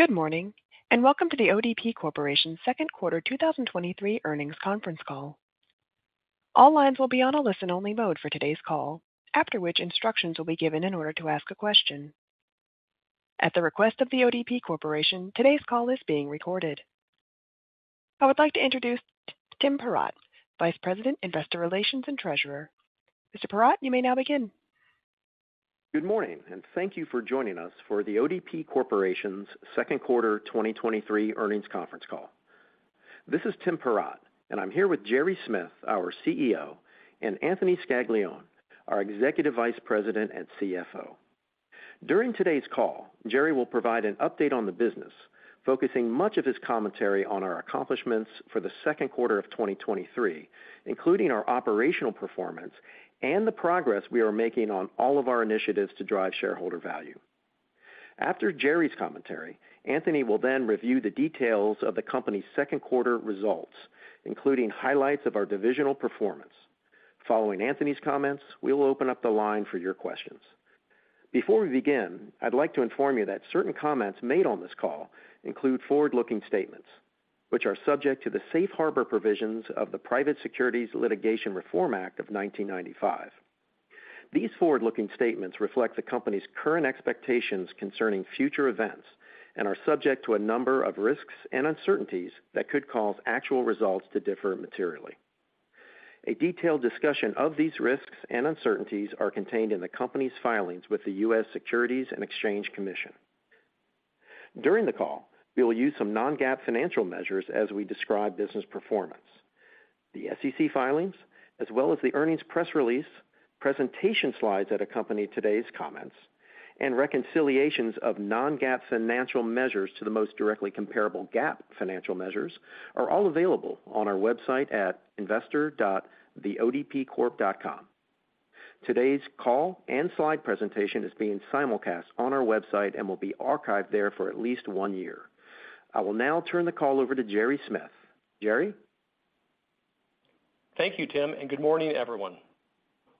Good morning, and welcome to The ODP Corporation's Second Quarter 2023 Earnings Conference Call. All lines will be on a listen-only mode for today's call, after which instructions will be given in order to ask a question. At the request of The ODP Corporation, today's call is being recorded. I would like to introduce Tim Perrott, Vice President, Investor Relations and Treasurer. Mr. Perrott, you may now begin. Good morning, thank you for joining us for The ODP Corporation's Second Quarter 2023 Earnings Conference Call. This is Tim Perrott, and I'm here with Gerry Smith, our CEO, and Anthony Scaglione, our Executive Vice President and CFO. During today's call, Gerry will provide an update on the business, focusing much of his commentary on our accomplishments for the second quarter of 2023, including our operational performance and the progress we are making on all of our initiatives to drive shareholder value. After Gerry's commentary, Anthony will then review the details of the company's second quarter results, including highlights of our divisional performance. Following Anthony's comments, we will open up the line for your questions. Before we begin, I'd like to inform you that certain comments made on this call include forward-looking statements, which are subject to the safe harbor provisions of the Private Securities Litigation Reform Act of 1995. These forward-looking statements reflect the company's current expectations concerning future events and are subject to a number of risks and uncertainties that could cause actual results to differ materially. A detailed discussion of these risks and uncertainties are contained in the company's filings with the U.S. Securities and Exchange Commission. During the call, we will use some non-GAAP financial measures as we describe business performance. The SEC filings, as well as the earnings press release, presentation slides that accompany today's comments, and reconciliations of non-GAAP financial measures to the most directly comparable GAAP financial measures, are all available on our website at investor.theodpcorp.com. Today's call and slide presentation is being simulcast on our website and will be archived there for at least one year. I will now turn the call over to Gerry Smith. Gerry? Thank you, Tim, and good morning, everyone.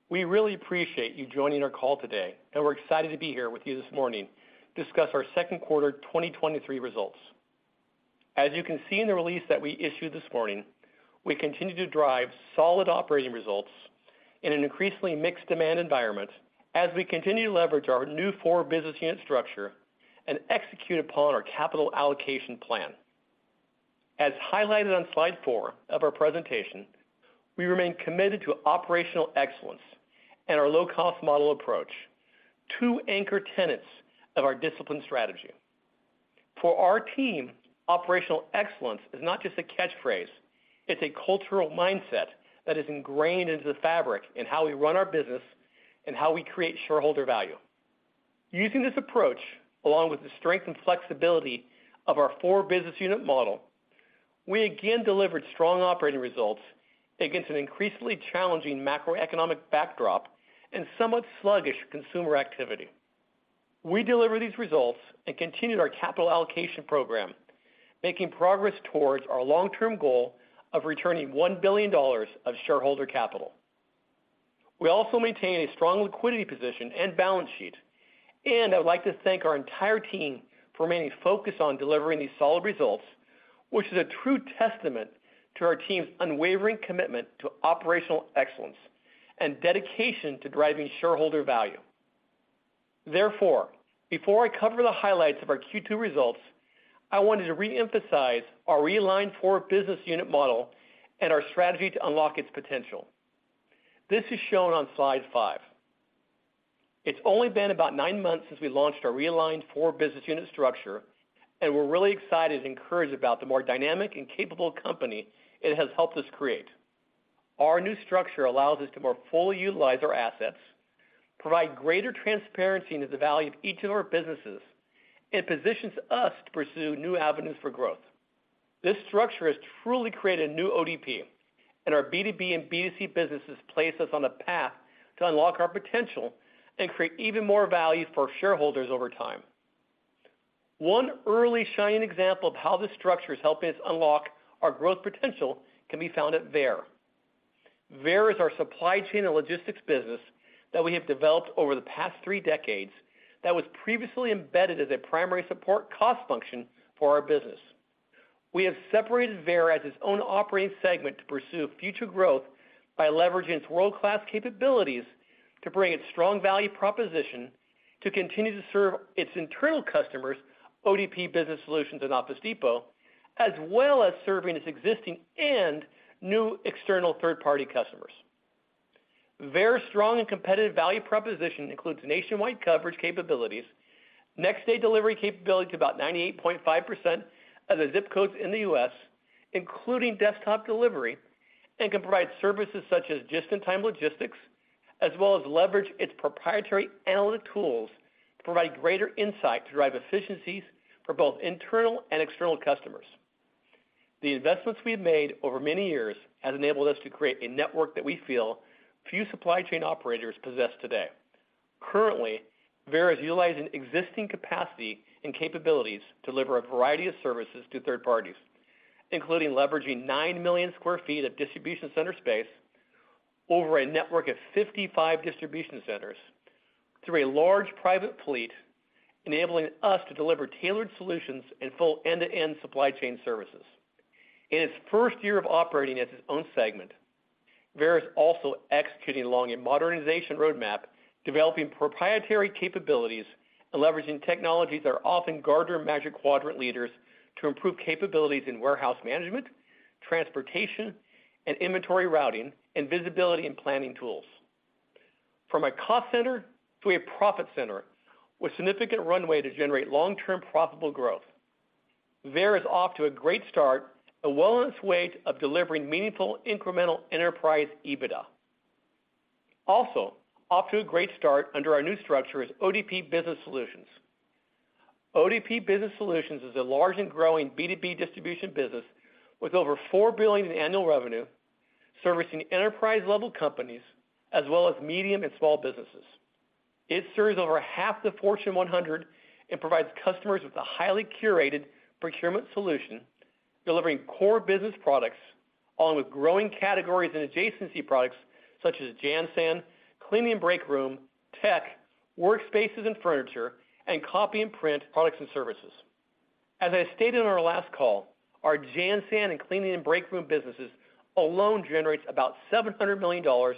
We really appreciate you joining our call today, and we're excited to be here with you this morning to discuss our Second Quarter 2023 Results. As you can see in the release that we issued this morning, we continue to drive solid operating results in an increasingly mixed demand environment as we continue to leverage our new four business unit structure and execute upon our capital allocation plan. As highlighted on Slide 4 of our presentation, we remain committed to operational excellence and our low-cost model approach, two anchor tenets of our disciplined strategy. For our team, operational excellence is not just a catchphrase, it's a cultural mindset that is ingrained into the fabric in how we run our business and how we create shareholder value. Using this approach, along with the strength and flexibility of our four business unit model, we again delivered strong operating results against an increasingly challenging macroeconomic backdrop and somewhat sluggish consumer activity. We delivered these results and continued our capital allocation program, making progress towards our long-term goal of returning $1 billion of shareholder capital. We also maintain a strong liquidity position and balance sheet, and I'd like to thank our entire team for remaining focused on delivering these solid results, which is a true testament to our team's unwavering commitment to operational excellence and dedication to driving shareholder value. Therefore, before I cover the highlights of our Q2 results, I wanted to re-emphasize our realigned four business unit model and our strategy to unlock its potential. This is shown on Slide 5. It's only been about nine months since we launched our realigned four business unit structure, We're really excited and encouraged about the more dynamic and capable company it has helped us create. Our new structure allows us to more fully utilize our assets, provide greater transparency into the value of each of our businesses, and positions us to pursue new avenues for growth. This structure has truly created a new ODP, Our B2B and B2C businesses place us on a path to unlock our potential and create even more value for our shareholders over time. One early shining example of how this structure is helping us unlock our growth potential can be found at VEYER. VEYER is our supply chain and logistics business that we have developed over the past three decades that was previously embedded as a primary support cost function for our business. We have separated VEYER as its own operating segment to pursue future growth by leveraging its world-class capabilities to bring its strong value proposition to continue to serve its internal customers, ODP Business Solutions and Office Depot, as well as serving its existing and new external third-party customers. VEYER's strong and competitive value proposition includes nationwide coverage capabilities, next-day delivery capability to about 98.5% of the zip codes in the U.S., including desktop delivery, and can provide services such as just-in-time logistics, as well as leverage its proprietary analytic tools to provide greater insight to drive efficiencies for both internal and external customers. The investments we have made over many years has enabled us to create a network that we feel few supply chain operators possess today. Currently, VEYER is utilizing existing capacity and capabilities to deliver a variety of services to third parties, including leveraging 9 million sq ft of distribution center space. Over a network of 55 distribution centers through a large private fleet, enabling us to deliver tailored solutions and full end-to-end supply chain services. In its first year of operating as its own segment, VEYER also executing along a modernization roadmap, developing proprietary capabilities and leveraging technologies that are often Gartner Magic Quadrant leaders to improve capabilities in warehouse management, transportation, and inventory routing, and visibility and planning tools. From a cost center to a profit center with significant runway to generate long-term profitable growth, VEYER is off to a great start, and well on its way of delivering meaningful incremental enterprise EBITDA. Also, off to a great start under our new structure is ODP Business Solutions. ODP Business Solutions is a large and growing B2B distribution business with over $4 billion in annual revenue, servicing enterprise-level companies, as well as medium and small businesses. It serves over half the Fortune 100 and provides customers with a highly curated procurement solution, delivering core business products, along with growing categories and adjacency products such as Jan/San, cleaning and breakroom, tech, workspaces and furniture, and copy and print products and services. As I stated on our last call, our Jan/San and cleaning and breakroom businesses alone generates about $700 million on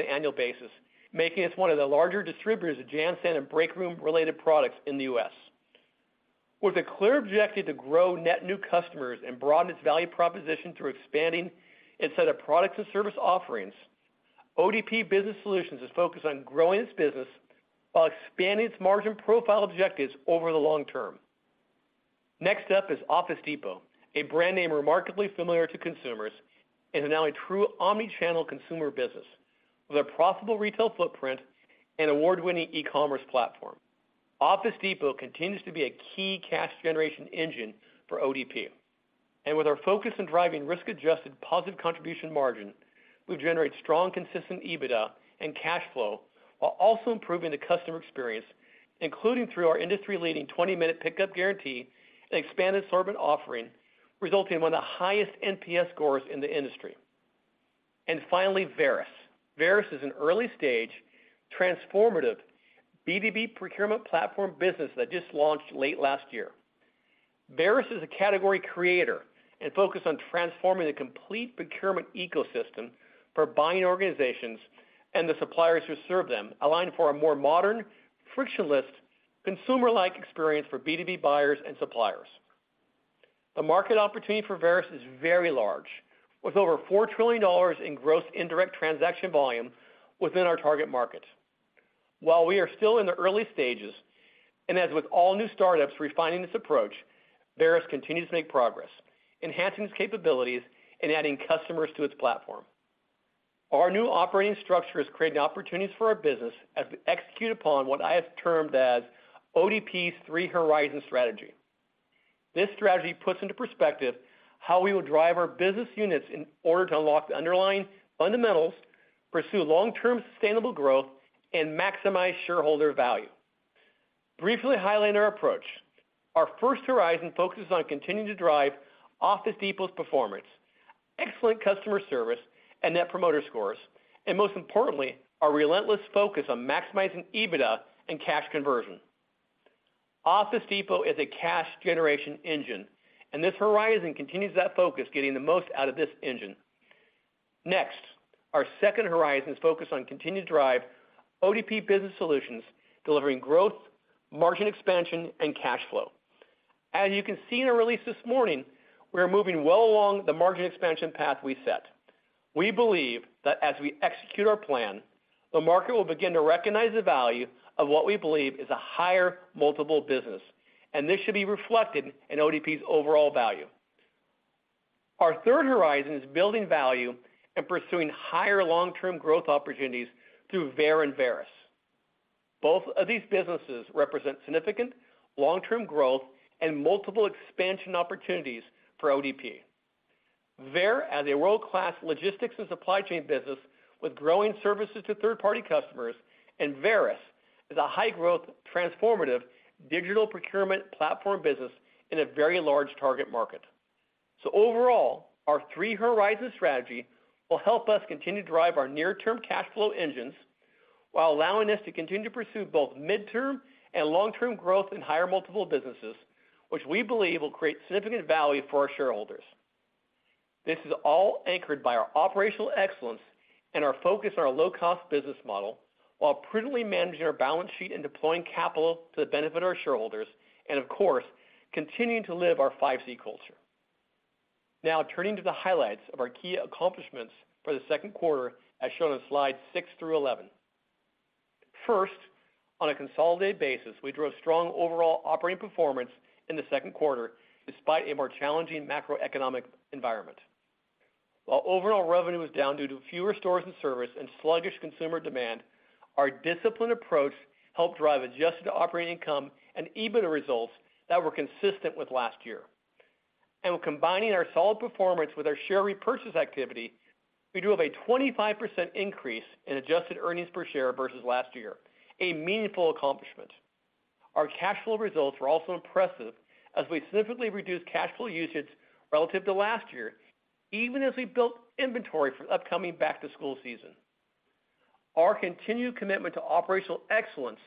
an annual basis, making us one of the larger distributors of Jan/San and breakroom related products in the U.S. With a clear objective to grow net new customers and broaden its value proposition through expanding its set of products and service offerings, ODP Business Solutions is focused on growing its business while expanding its margin profile objectives over the long term. Next up is Office Depot, a brand name remarkably familiar to consumers and now a true omni-channel consumer business with a profitable retail footprint and award-winning e-commerce platform. Office Depot continues to be a key cash generation engine for ODP, with our focus on driving risk-adjusted positive contribution margin, we generate strong, consistent EBITDA and cash flow while also improving the customer experience, including through our industry-leading 20-minute pickup guarantee and expanded assortment offering, resulting in one of the highest NPS scores in the industry. Finally, Varis. Varis is an early-stage, transformative B2B procurement platform business that just launched late last year. Varis is a category creator and focused on transforming the complete procurement ecosystem for buying organizations and the suppliers who serve them, aligned for a more modern, frictionless, consumer-like experience for B2B buyers and suppliers. The market opportunity for Varis is very large, with over $4 trillion in gross indirect transaction volume within our target market. While we are still in the early stages, and as with all new startups refining this approach, Varis continues to make progress, enhancing its capabilities and adding customers to its platform. Our new operating structure is creating opportunities for our business as we execute upon what I have termed as ODP's three horizon strategy. This strategy puts into perspective how we will drive our business units in order to unlock the underlying fundamentals, pursue long-term sustainable growth, and maximize shareholder value. Briefly highlighting our approach, our first horizon focuses on continuing to drive Office Depot's performance, excellent customer service and net promoter scores, and most importantly, our relentless focus on maximizing EBITDA and cash conversion. Office Depot is a cash generation engine, and this horizon continues that focus, getting the most out of this engine. Next, our second horizon is focused on continuing to drive ODP Business Solutions, delivering growth, margin expansion, and cash flow. As you can see in our release this morning, we are moving well along the margin expansion path we set. We believe that as we execute our plan, the market will begin to recognize the value of what we believe is a higher multiple business, and this should be reflected in ODP's overall value. Our third horizon is building value and pursuing higher long-term growth opportunities through Varis and VEYER. Both of these businesses represent significant long-term growth and multiple expansion opportunities for ODP. VEYER, as a world-class logistics and supply chain business with growing services to third-party customers, and Varis is a high-growth, transformative digital procurement platform business in a very large target market. Overall, our Three Horizon Strategy will help us continue to drive our near-term cash flow engines while allowing us to continue to pursue both midterm and long-term growth in higher multiple businesses, which we believe will create significant value for our shareholders. This is all anchored by our operational excellence and our focus on our low-cost business model, while prudently managing our balance sheet and deploying capital to the benefit of our shareholders, and of course, continuing to live our 5C Culture. Now, turning to the highlights of our key accomplishments for the second quarter, as shown on Slides 6 through 11. First, on a consolidated basis, we drove strong overall operating performance in the second quarter, despite a more challenging macroeconomic environment. While overall revenue was down due to fewer stores and service and sluggish consumer demand, our disciplined approach helped drive adjusted operating income and EBITDA results that were consistent with last year. Combining our solid performance with our share repurchase activity, we do have a 25% increase in adjusted earnings per share versus last year, a meaningful accomplishment. Our cash flow results were also impressive, as we significantly reduced cash flow usage relative to last year, even as we built inventory for the upcoming back-to-school season. Our continued commitment to operational excellence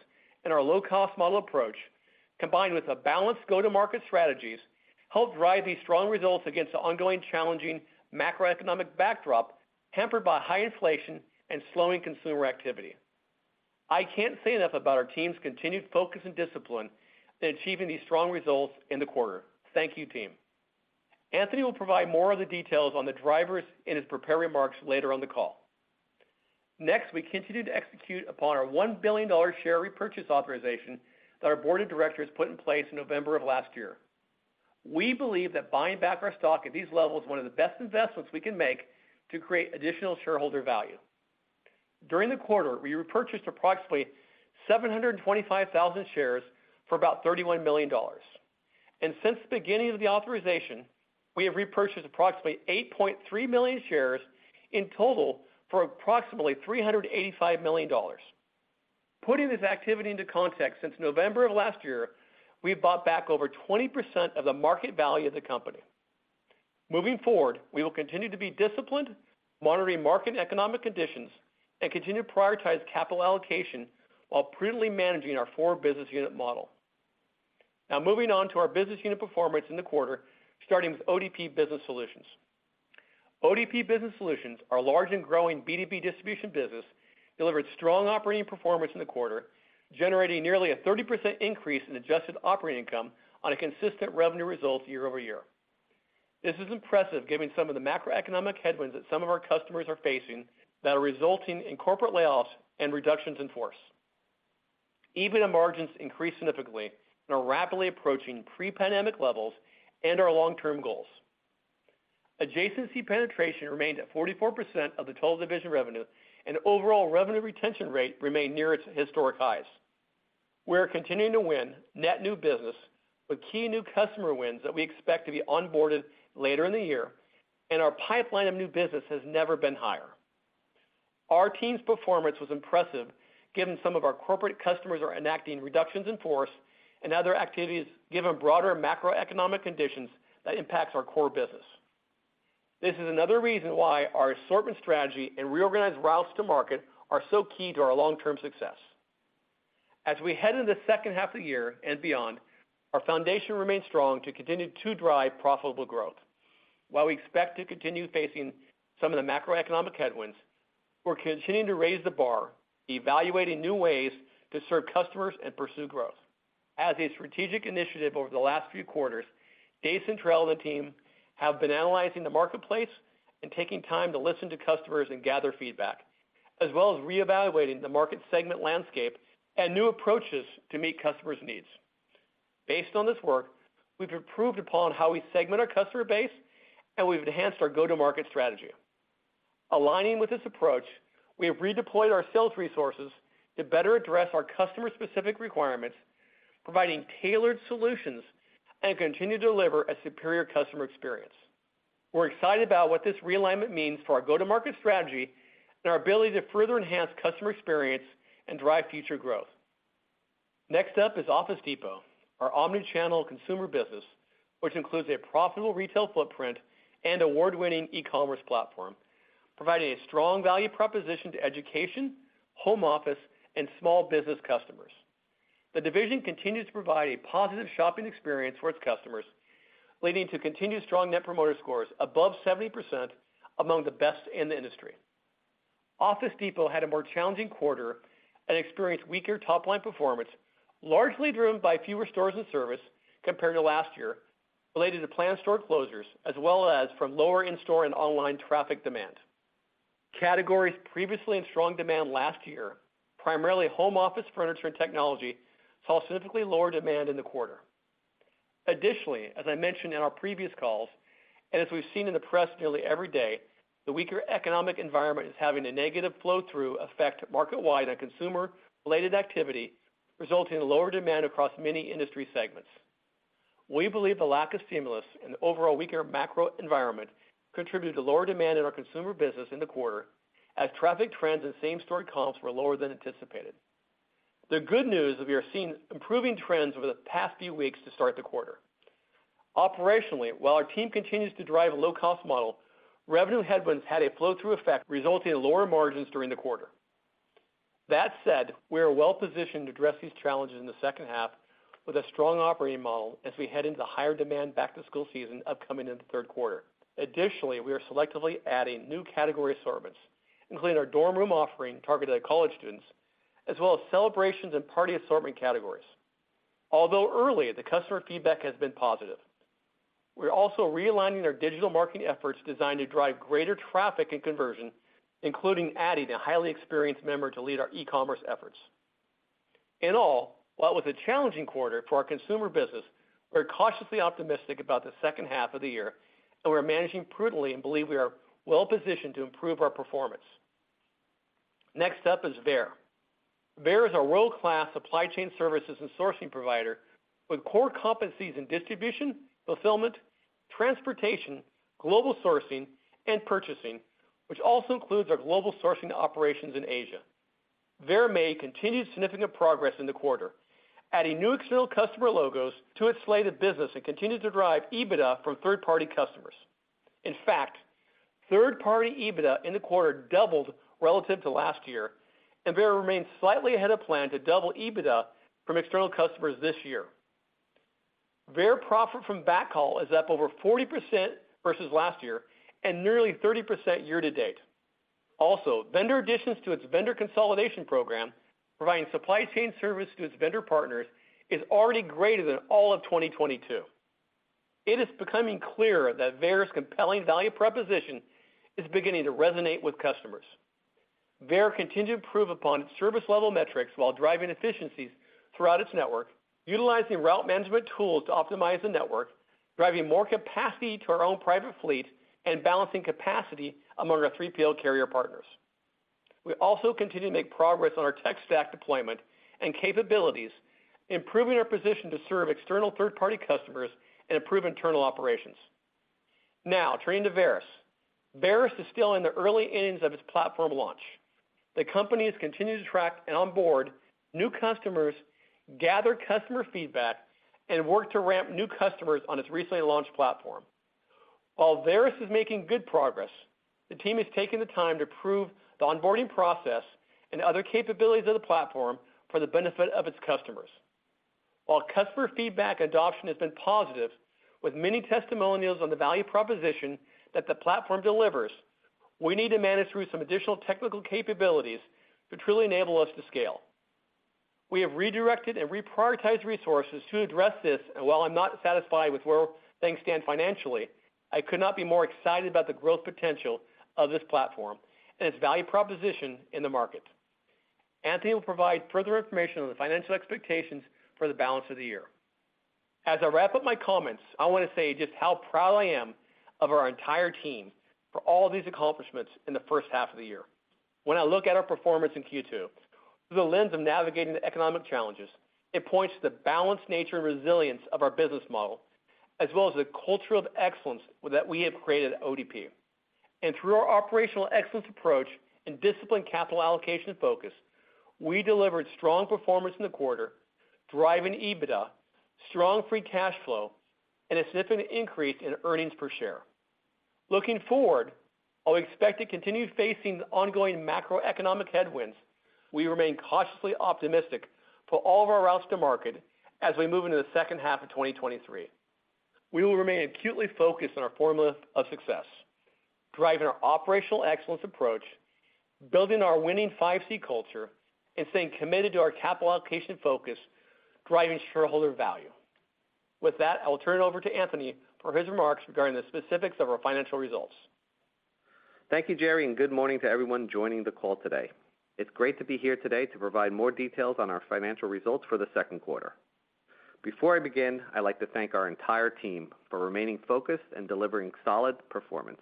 and our low-cost model approach, combined with a balanced go-to-market strategies, helped drive these strong results against the ongoing challenging macroeconomic backdrop, hampered by high inflation and slowing consumer activity. I can't say enough about our team's continued focus and discipline in achieving these strong results in the quarter. Thank you, team. Anthony will provide more of the details on the drivers in his prepared remarks later on the call. We continue to execute upon our $1 billion share repurchase authorization that our board of directors put in place in November of last year. We believe that buying back our stock at these levels is one of the best investments we can make to create additional shareholder value. During the quarter, we repurchased approximately 725,000 shares for about $31 million. Since the beginning of the authorization, we have repurchased approximately 8.3 million shares in total for approximately $385 million. Putting this activity into context, since November of last year, we've bought back over 20% of the market value of the company. Moving forward, we will continue to be disciplined, monitoring market and economic conditions, and continue to prioritize capital allocation while prudently managing our four business unit model. Now, moving on to our business unit performance in the quarter, starting with ODP Business Solutions. ODP Business Solutions, our large and growing B2B distribution business, delivered strong operating performance in the quarter, generating nearly a 30% increase in adjusted operating income on a consistent revenue result year-over-year. This is impressive, given some of the macroeconomic headwinds that some of our customers are facing that are resulting in corporate layoffs and reductions in force. EBITDA margins increased significantly and are rapidly approaching pre-pandemic levels and our long-term goals. Adjacency penetration remained at 44% of the total division revenue. Overall revenue retention rate remained near its historic highs. We are continuing to win net new business with key new customer wins that we expect to be onboarded later in the year. Our pipeline of new business has never been higher. Our team's performance was impressive, given some of our corporate customers are enacting reductions in force and other activities, given broader macroeconomic conditions that impacts our core business. This is another reason why our assortment strategy and reorganized routes to market are so key to our long-term success. As we head into the second half of the year and beyond, our foundation remains strong to continue to drive profitable growth. While we expect to continue facing some of the macroeconomic headwinds, we're continuing to raise the bar, evaluating new ways to serve customers and pursue growth. As a strategic initiative over the last few quarters, Dave Centrella and the team have been analyzing the marketplace and taking time to listen to customers and gather feedback, as well as reevaluating the market segment landscape and new approaches to meet customers' needs. Based on this work, we've improved upon how we segment our customer base, and we've enhanced our go-to-market strategy. Aligning with this approach, we have redeployed our sales resources to better address our customer-specific requirements, providing tailored solutions and continue to deliver a superior customer experience. We're excited about what this realignment means for our go-to-market strategy and our ability to further enhance customer experience and drive future growth. Next up is Office Depot, our omni-channel consumer business, which includes a profitable retail footprint and award-winning e-commerce platform, providing a strong value proposition to education, home office, and small business customers. The division continues to provide a positive shopping experience for its customers, leading to continued strong net promoter scores above 70% among the best in the industry. Office Depot had a more challenging quarter and experienced weaker top-line performance, largely driven by fewer stores and service compared to last year, related to planned store closures, as well as from lower in-store and online traffic demand. Categories previously in strong demand last year, primarily home office furniture and technology, saw significantly lower demand in the quarter. Additionally, as I mentioned in our previous calls, and as we've seen in the press nearly every day, the weaker economic environment is having a negative flow-through effect market-wide on consumer-related activity, resulting in lower demand across many industry segments. We believe the lack of stimulus and the overall weaker macro environment contributed to lower demand in our consumer business in the quarter, as traffic trends and same-store comps were lower than anticipated. The good news is we are seeing improving trends over the past few weeks to start the quarter. Operationally, while our team continues to drive a low-cost model, revenue headwinds had a flow-through effect, resulting in lower margins during the quarter. That said, we are well positioned to address these challenges in the second half with a strong operating model as we head into the higher demand back-to-school season upcoming in the third quarter. Additionally, we are selectively adding new category assortments, including our dorm room offering targeted at college students, as well as celebrations and party assortment categories. Although early, the customer feedback has been positive. We're also realigning our digital marketing efforts designed to drive greater traffic and conversion, including adding a highly experienced member to lead our e-commerce efforts. In all, while it was a challenging quarter for our consumer business, we're cautiously optimistic about the second half of the year. We're managing prudently and believe we are well positioned to improve our performance. Next up is VEYER. VEYER is a world-class supply chain services and sourcing provider with core competencies in distribution, fulfillment,... Transportation, Global Sourcing, and Purchasing, which also includes our global sourcing operations in Asia. VEYER continued significant progress in the quarter, adding new external customer logos to its slated business and continued to drive EBITDA from third-party customers. In fact, third-party EBITDA in the quarter doubled relative to last year. VEYER remained slightly ahead of plan to double EBITDA from external customers this year. VEYER profit from backhaul is up over 40% versus last year and nearly 30% year-to-date. Also, vendor additions to its vendor consolidation program, providing supply chain service to its vendor partners, is already greater than all of 2022. It is becoming clearer that VEYER's compelling value proposition is beginning to resonate with customers. VEYER continued to improve upon its service level metrics while driving efficiencies throughout its network, utilizing route management tools to optimize the network, driving more capacity to our own private fleet, and balancing capacity among our 3PL carrier partners. We also continue to make progress on our tech stack deployment and capabilities, improving our position to serve external third-party customers and improve internal operations. Now, turning to Varis. Varis is still in the early innings of its platform launch. The company has continued to track and onboard new customers, gather customer feedback, and work to ramp new customers on its recently launched platform. While Varis is making good progress, the team is taking the time to prove the onboarding process and other capabilities of the platform for the benefit of its customers. While customer feedback adoption has been positive, with many testimonials on the value proposition that the platform delivers, we need to manage through some additional technical capabilities to truly enable us to scale. We have redirected and reprioritized resources to address this, and while I'm not satisfied with where things stand financially, I could not be more excited about the growth potential of this platform and its value proposition in the market. Anthony will provide further information on the financial expectations for the balance of the year. As I wrap up my comments, I want to say just how proud I am of our entire team for all these accomplishments in the first half of the year. When I look at our performance in Q2, through the lens of navigating the economic challenges, it points to the balanced nature and resilience of our business model, as well as the culture of excellence that we have created at ODP. Through our operational excellence approach and disciplined capital allocation focus, we delivered strong performance in the quarter, driving EBITDA, strong free cash flow, and a significant increase in earnings per share. Looking forward, while we expect to continue facing the ongoing macroeconomic headwinds, we remain cautiously optimistic for all of our routes to market as we move into the second half of 2023. We will remain acutely focused on our formula of success, driving our operational excellence approach, building our winning 5C Culture, and staying committed to our capital allocation focus, driving shareholder value. With that, I will turn it over to Anthony for his remarks regarding the specifics of our financial results. Thank you, Gerry, and good morning to everyone joining the call today. It's great to be here today to provide more details on our financial results for the second quarter. Before I begin, I'd like to thank our entire team for remaining focused and delivering solid performance.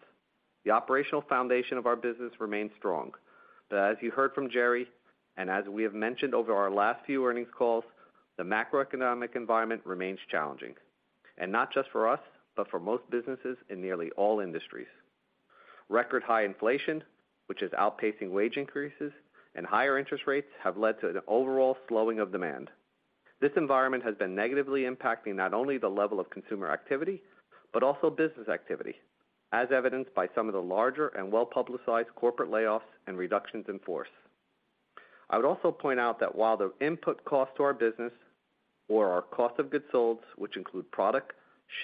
The operational foundation of our business remains strong, but as you heard from Gerry, and as we have mentioned over our last few earnings calls, the macroeconomic environment remains challenging, and not just for us, but for most businesses in nearly all industries. Record high inflation, which is outpacing wage increases and higher interest rates, have led to an overall slowing of demand. This environment has been negatively impacting not only the level of consumer activity, but also business activity, as evidenced by some of the larger and well-publicized corporate layoffs and reductions in force. I would also point out that while the input cost to our business or our cost of goods sold, which include product,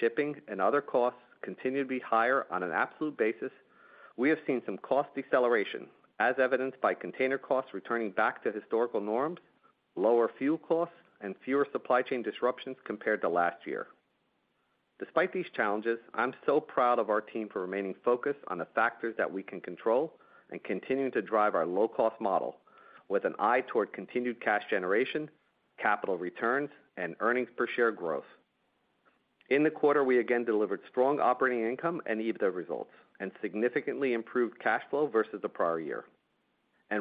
shipping, and other costs, continue to be higher on an absolute basis, we have seen some cost deceleration as evidenced by container costs returning back to historical norms, lower fuel costs, and fewer supply chain disruptions compared to last year. Despite these challenges, I'm so proud of our team for remaining focused on the factors that we can control and continuing to drive our low-cost model with an eye toward continued cash generation, capital returns, and earnings per share growth. In the quarter, we again delivered strong operating income and EBITDA results, and significantly improved cash flow versus the prior year.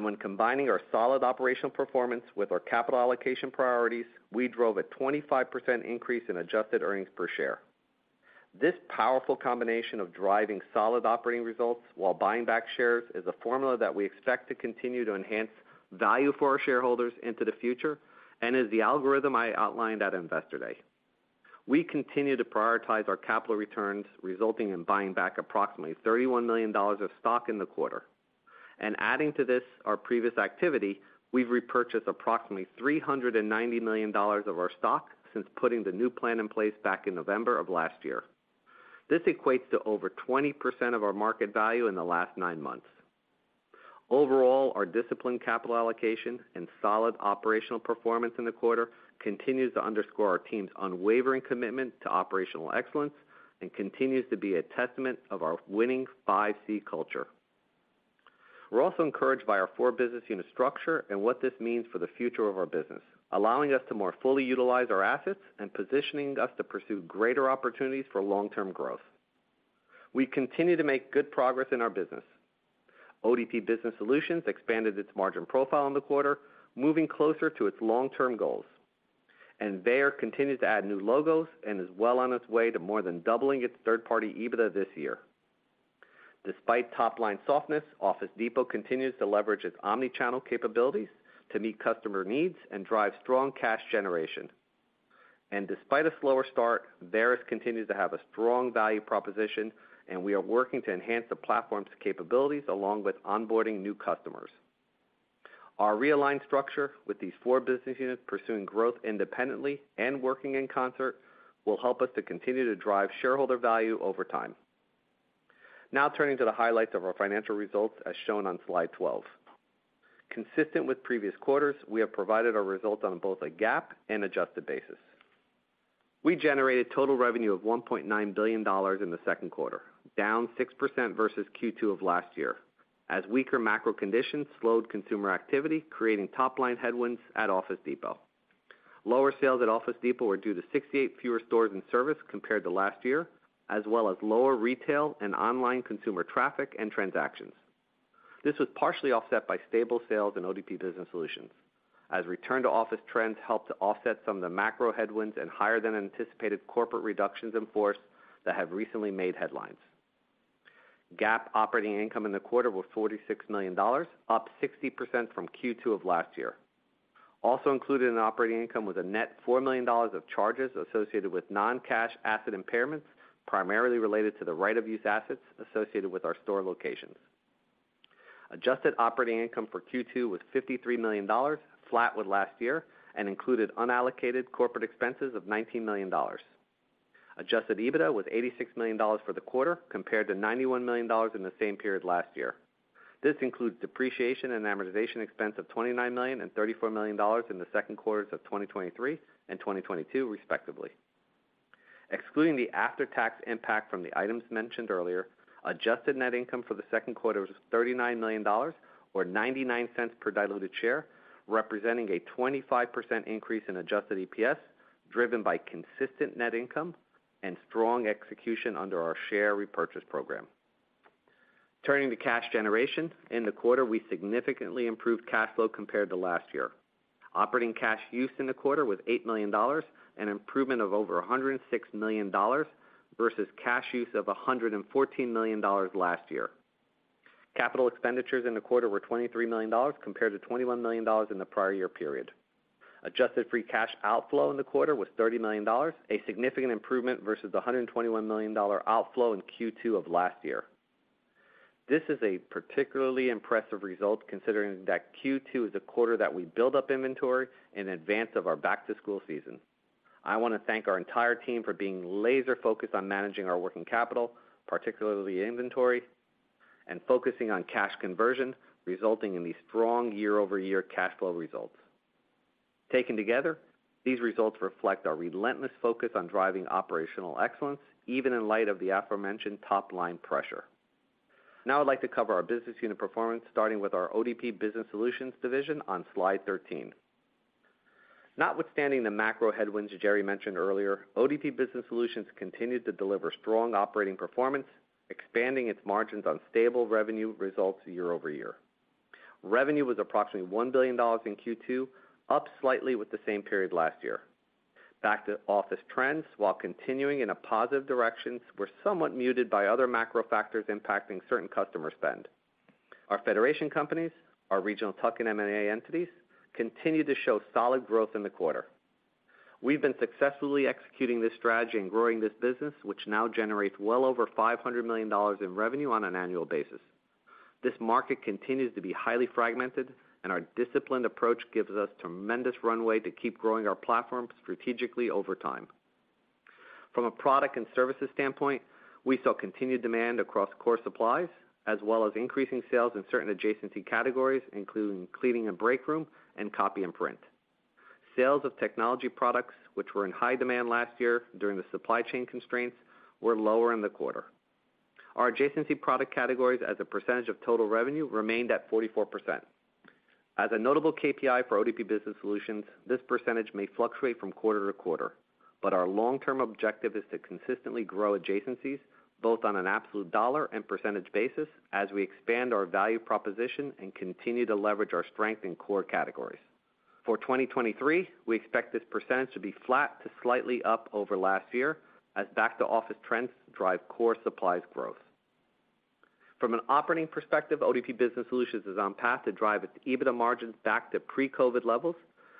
When combining our solid operational performance with our capital allocation priorities, we drove a 25% increase in adjusted earnings per share. This powerful combination of driving solid operating results while buying back shares is a formula that we expect to continue to enhance value for our shareholders into the future and is the algorithm I outlined at Investor Day. We continue to prioritize our capital returns, resulting in buying back approximately $31 million of stock in the quarter. Adding to this, our previous activity, we've repurchased approximately $390 million of our stock since putting the new plan in place back in November of last year. This equates to over 20% of our market value in the last nine months. Overall, our disciplined capital allocation and solid operational performance in the quarter continues to underscore our team's unwavering commitment to operational excellence and continues to be a testament of our winning 5C culture. We're also encouraged by our four business unit structure and what this means for the future of our business, allowing us to more fully utilize our assets and positioning us to pursue greater opportunities for long-term growth. We continue to make good progress in our business. ODP Business Solutions expanded its margin profile in the quarter, moving closer to its long-term goals. VEYER continues to add new logos and is well on its way to more than doubling its third-party EBITDA this year. Despite top-line softness, Office Depot continues to leverage its omni-channel capabilities to meet customer needs and drive strong cash generation. Despite a slower start, Varis continues to have a strong value proposition, and we are working to enhance the platform's capabilities along with onboarding new customers. Our realigned structure with these four business units pursuing growth independently and working in concert, will help us to continue to drive shareholder value over time. Turning to the highlights of our financial results, as shown on Slide 12. Consistent with previous quarters, we have provided our results on both a GAAP and adjusted basis. We generated total revenue of $1.9 billion in the second quarter, down 6% versus Q2 of last year, as weaker macro conditions slowed consumer activity, creating top line headwinds at Office Depot. Lower sales at Office Depot were due to 68 fewer stores and service compared to last year, as well as lower retail and online consumer traffic and transactions. This was partially offset by stable sales in ODP Business Solutions, as return-to-office trends helped to offset some of the macro headwinds and higher than anticipated corporate reductions in force that have recently made headlines. GAAP operating income in the quarter was $46 million, up 60% from Q2 of last year. Also included in operating income was a net $4 million of charges associated with non-cash asset impairments, primarily related to the right-of-use assets associated with our store locations. Adjusted operating income for Q2 was $53 million, flat with last year, and included unallocated corporate expenses of $19 million. Adjusted EBITDA was $86 million for the quarter, compared to $91 million in the same period last year. This includes depreciation and amortization expense of $29 million and $34 million in the second quarters of 2023 and 2022, respectively. Excluding the after-tax impact from the items mentioned earlier, adjusted net income for the second quarter was $39 million, or $0.99 per diluted share, representing a 25% increase in adjusted EPS, driven by consistent net income and strong execution under our share repurchase program. Turning to cash generation. In the quarter, we significantly improved cash flow compared to last year. Operating cash use in the quarter was $8 million, an improvement of over $106 million, versus cash use of $114 million last year. Capital expenditures in the quarter were $23 million, compared to $21 million in the prior year period. Adjusted free cash outflow in the quarter was $30 million, a significant improvement versus the $121 million outflow in Q2 of last year. This is a particularly impressive result, considering that Q2 is a quarter that we build up inventory in advance of our back-to-school season. I want to thank our entire team for being laser focused on managing our working capital, particularly inventory, and focusing on cash conversion, resulting in these strong year-over-year cash flow results. Taken together, these results reflect our relentless focus on driving operational excellence, even in light of the aforementioned top-line pressure. I'd like to cover our business unit performance, starting with our ODP Business Solutions division on Slide 13. Notwithstanding the macro headwinds Gerry mentioned earlier, ODP Business Solutions continued to deliver strong operating performance, expanding its margins on stable revenue results year-over-year. Revenue was approximately $1 billion in Q2, up slightly with the same period last year. Back-to-office trends, while continuing in a positive direction, were somewhat muted by other macro factors impacting certain customer spend. Our Federation companies, our regional tuck-in M&A entities, continue to show solid growth in the quarter. We've been successfully executing this strategy and growing this business, which now generates well over $500 million in revenue on an annual basis. This market continues to be highly fragmented, and our disciplined approach gives us tremendous runway to keep growing our platform strategically over time. From a product and services standpoint, we saw continued demand across core supplies, as well as increasing sales in certain adjacency categories, including cleaning and break room and copy and print. Sales of technology products, which were in high demand last year during the supply chain constraints, were lower in the quarter. Our adjacency product categories as a percentage of total revenue, remained at 44%. As a notable KPI for ODP Business Solutions, this percentage may fluctuate from quarter-to-quarter, but our long-term objective is to consistently grow adjacencies both on an absolute dollar and percentage basis, as we expand our value proposition and continue to leverage our strength in core categories. For 2023, we expect this percent to be flat to slightly up over last year, as back-to-office trends drive core supplies growth. From an operating perspective, ODP Business Solutions is on path to drive its EBITDA margins back to pre-COVID levels,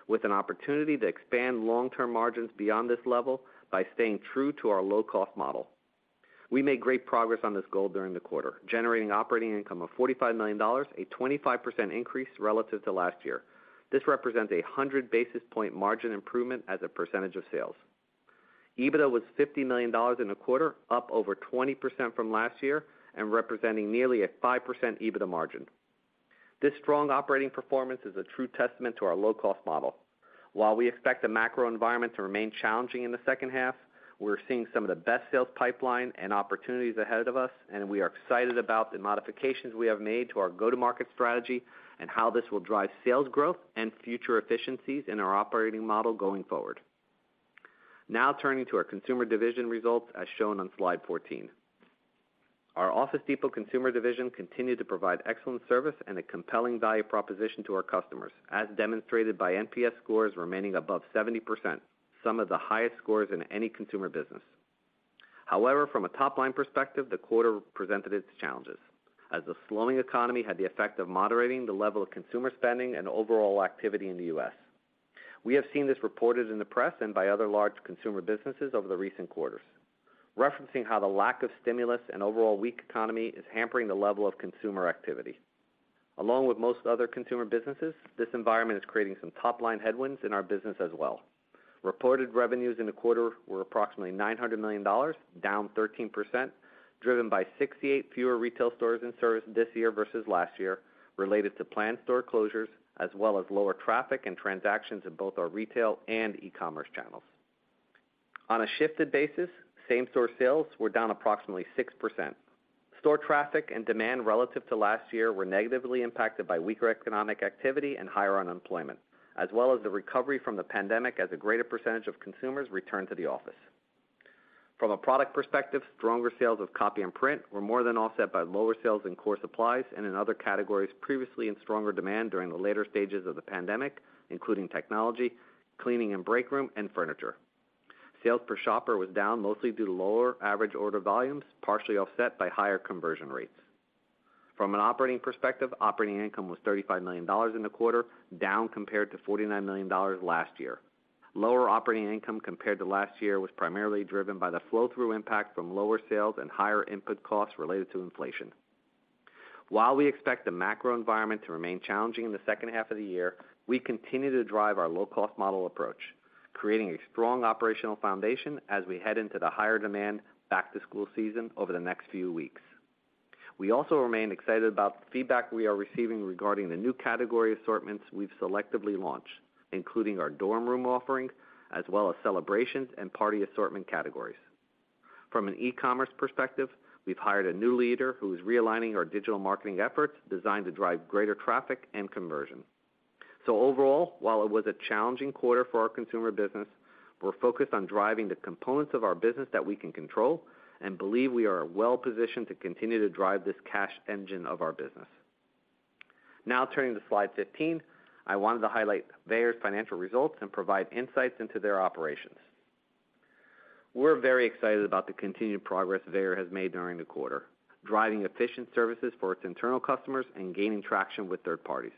with an opportunity to expand long-term margins beyond this level by staying true to our low-cost model. We made great progress on this goal during the quarter, generating operating income of $45 million, a 25% increase relative to last year. This represents a 100 basis point margin improvement as a percentage of sales. EBITDA was $50 million in the quarter, up over 20% from last year and representing nearly a 5% EBITDA margin. This strong operating performance is a true testament to our low-cost model. While we expect the macro environment to remain challenging in the second half, we're seeing some of the best sales pipeline and opportunities ahead of us, and we are excited about the modifications we have made to our go-to-market strategy and how this will drive sales growth and future efficiencies in our operating model going forward. Turning to our consumer division results, as shown on Slide 14. Our Office Depot consumer division continued to provide excellent service and a compelling value proposition to our customers, as demonstrated by NPS scores remaining above 70%, some of the highest scores in any consumer business. However, from a top-line perspective, the quarter presented its challenges, as the slowing economy had the effect of moderating the level of consumer spending and overall activity in the U.S. We have seen this reported in the press and by other large consumer businesses over the recent quarters, referencing how the lack of stimulus and overall weak economy is hampering the level of consumer activity. Along with most other consumer businesses, this environment is creating some top-line headwinds in our business as well. Reported revenues in the quarter were approximately $900 million, down 13%, driven by 68 fewer retail stores and service this year versus last year, related to planned store closures, as well as lower traffic and transactions in both our retail and e-commerce channels. On a shifted basis, same-store sales were down approximately 6%. Store traffic and demand relative to last year were negatively impacted by weaker economic activity and higher unemployment, as well as the recovery from the pandemic as a greater percentage of consumers returned to the office. From a product perspective, stronger sales of copy and print were more than offset by lower sales in core supplies and in other categories previously in stronger demand during the later stages of the pandemic, including technology, cleaning and break room, and furniture. Sales per shopper was down, mostly due to lower average order volumes, partially offset by higher conversion rates. From an operating perspective, operating income was $35 million in the quarter, down compared to $49 million last year. Lower operating income compared to last year was primarily driven by the flow-through impact from lower sales and higher input costs related to inflation. While we expect the macro environment to remain challenging in the second half of the year, we continue to drive our low-cost model approach, creating a strong operational foundation as we head into the higher demand back-to-school season over the next few weeks. We also remain excited about the feedback we are receiving regarding the new category assortments we've selectively launched, including our dorm room offering, as well as celebrations and party assortment categories. From an e-commerce perspective, we've hired a new leader who is realigning our digital marketing efforts, designed to drive greater traffic and conversion. Overall, while it was a challenging quarter for our consumer business, we're focused on driving the components of our business that we can control and believe we are well-positioned to continue to drive this cash engine of our business. Now turning to Slide 15, I wanted to highlight VEYER's financial results and provide insights into their operations. We're very excited about the continued progress VEYER has made during the quarter, driving efficient services for its internal customers and gaining traction with third parties.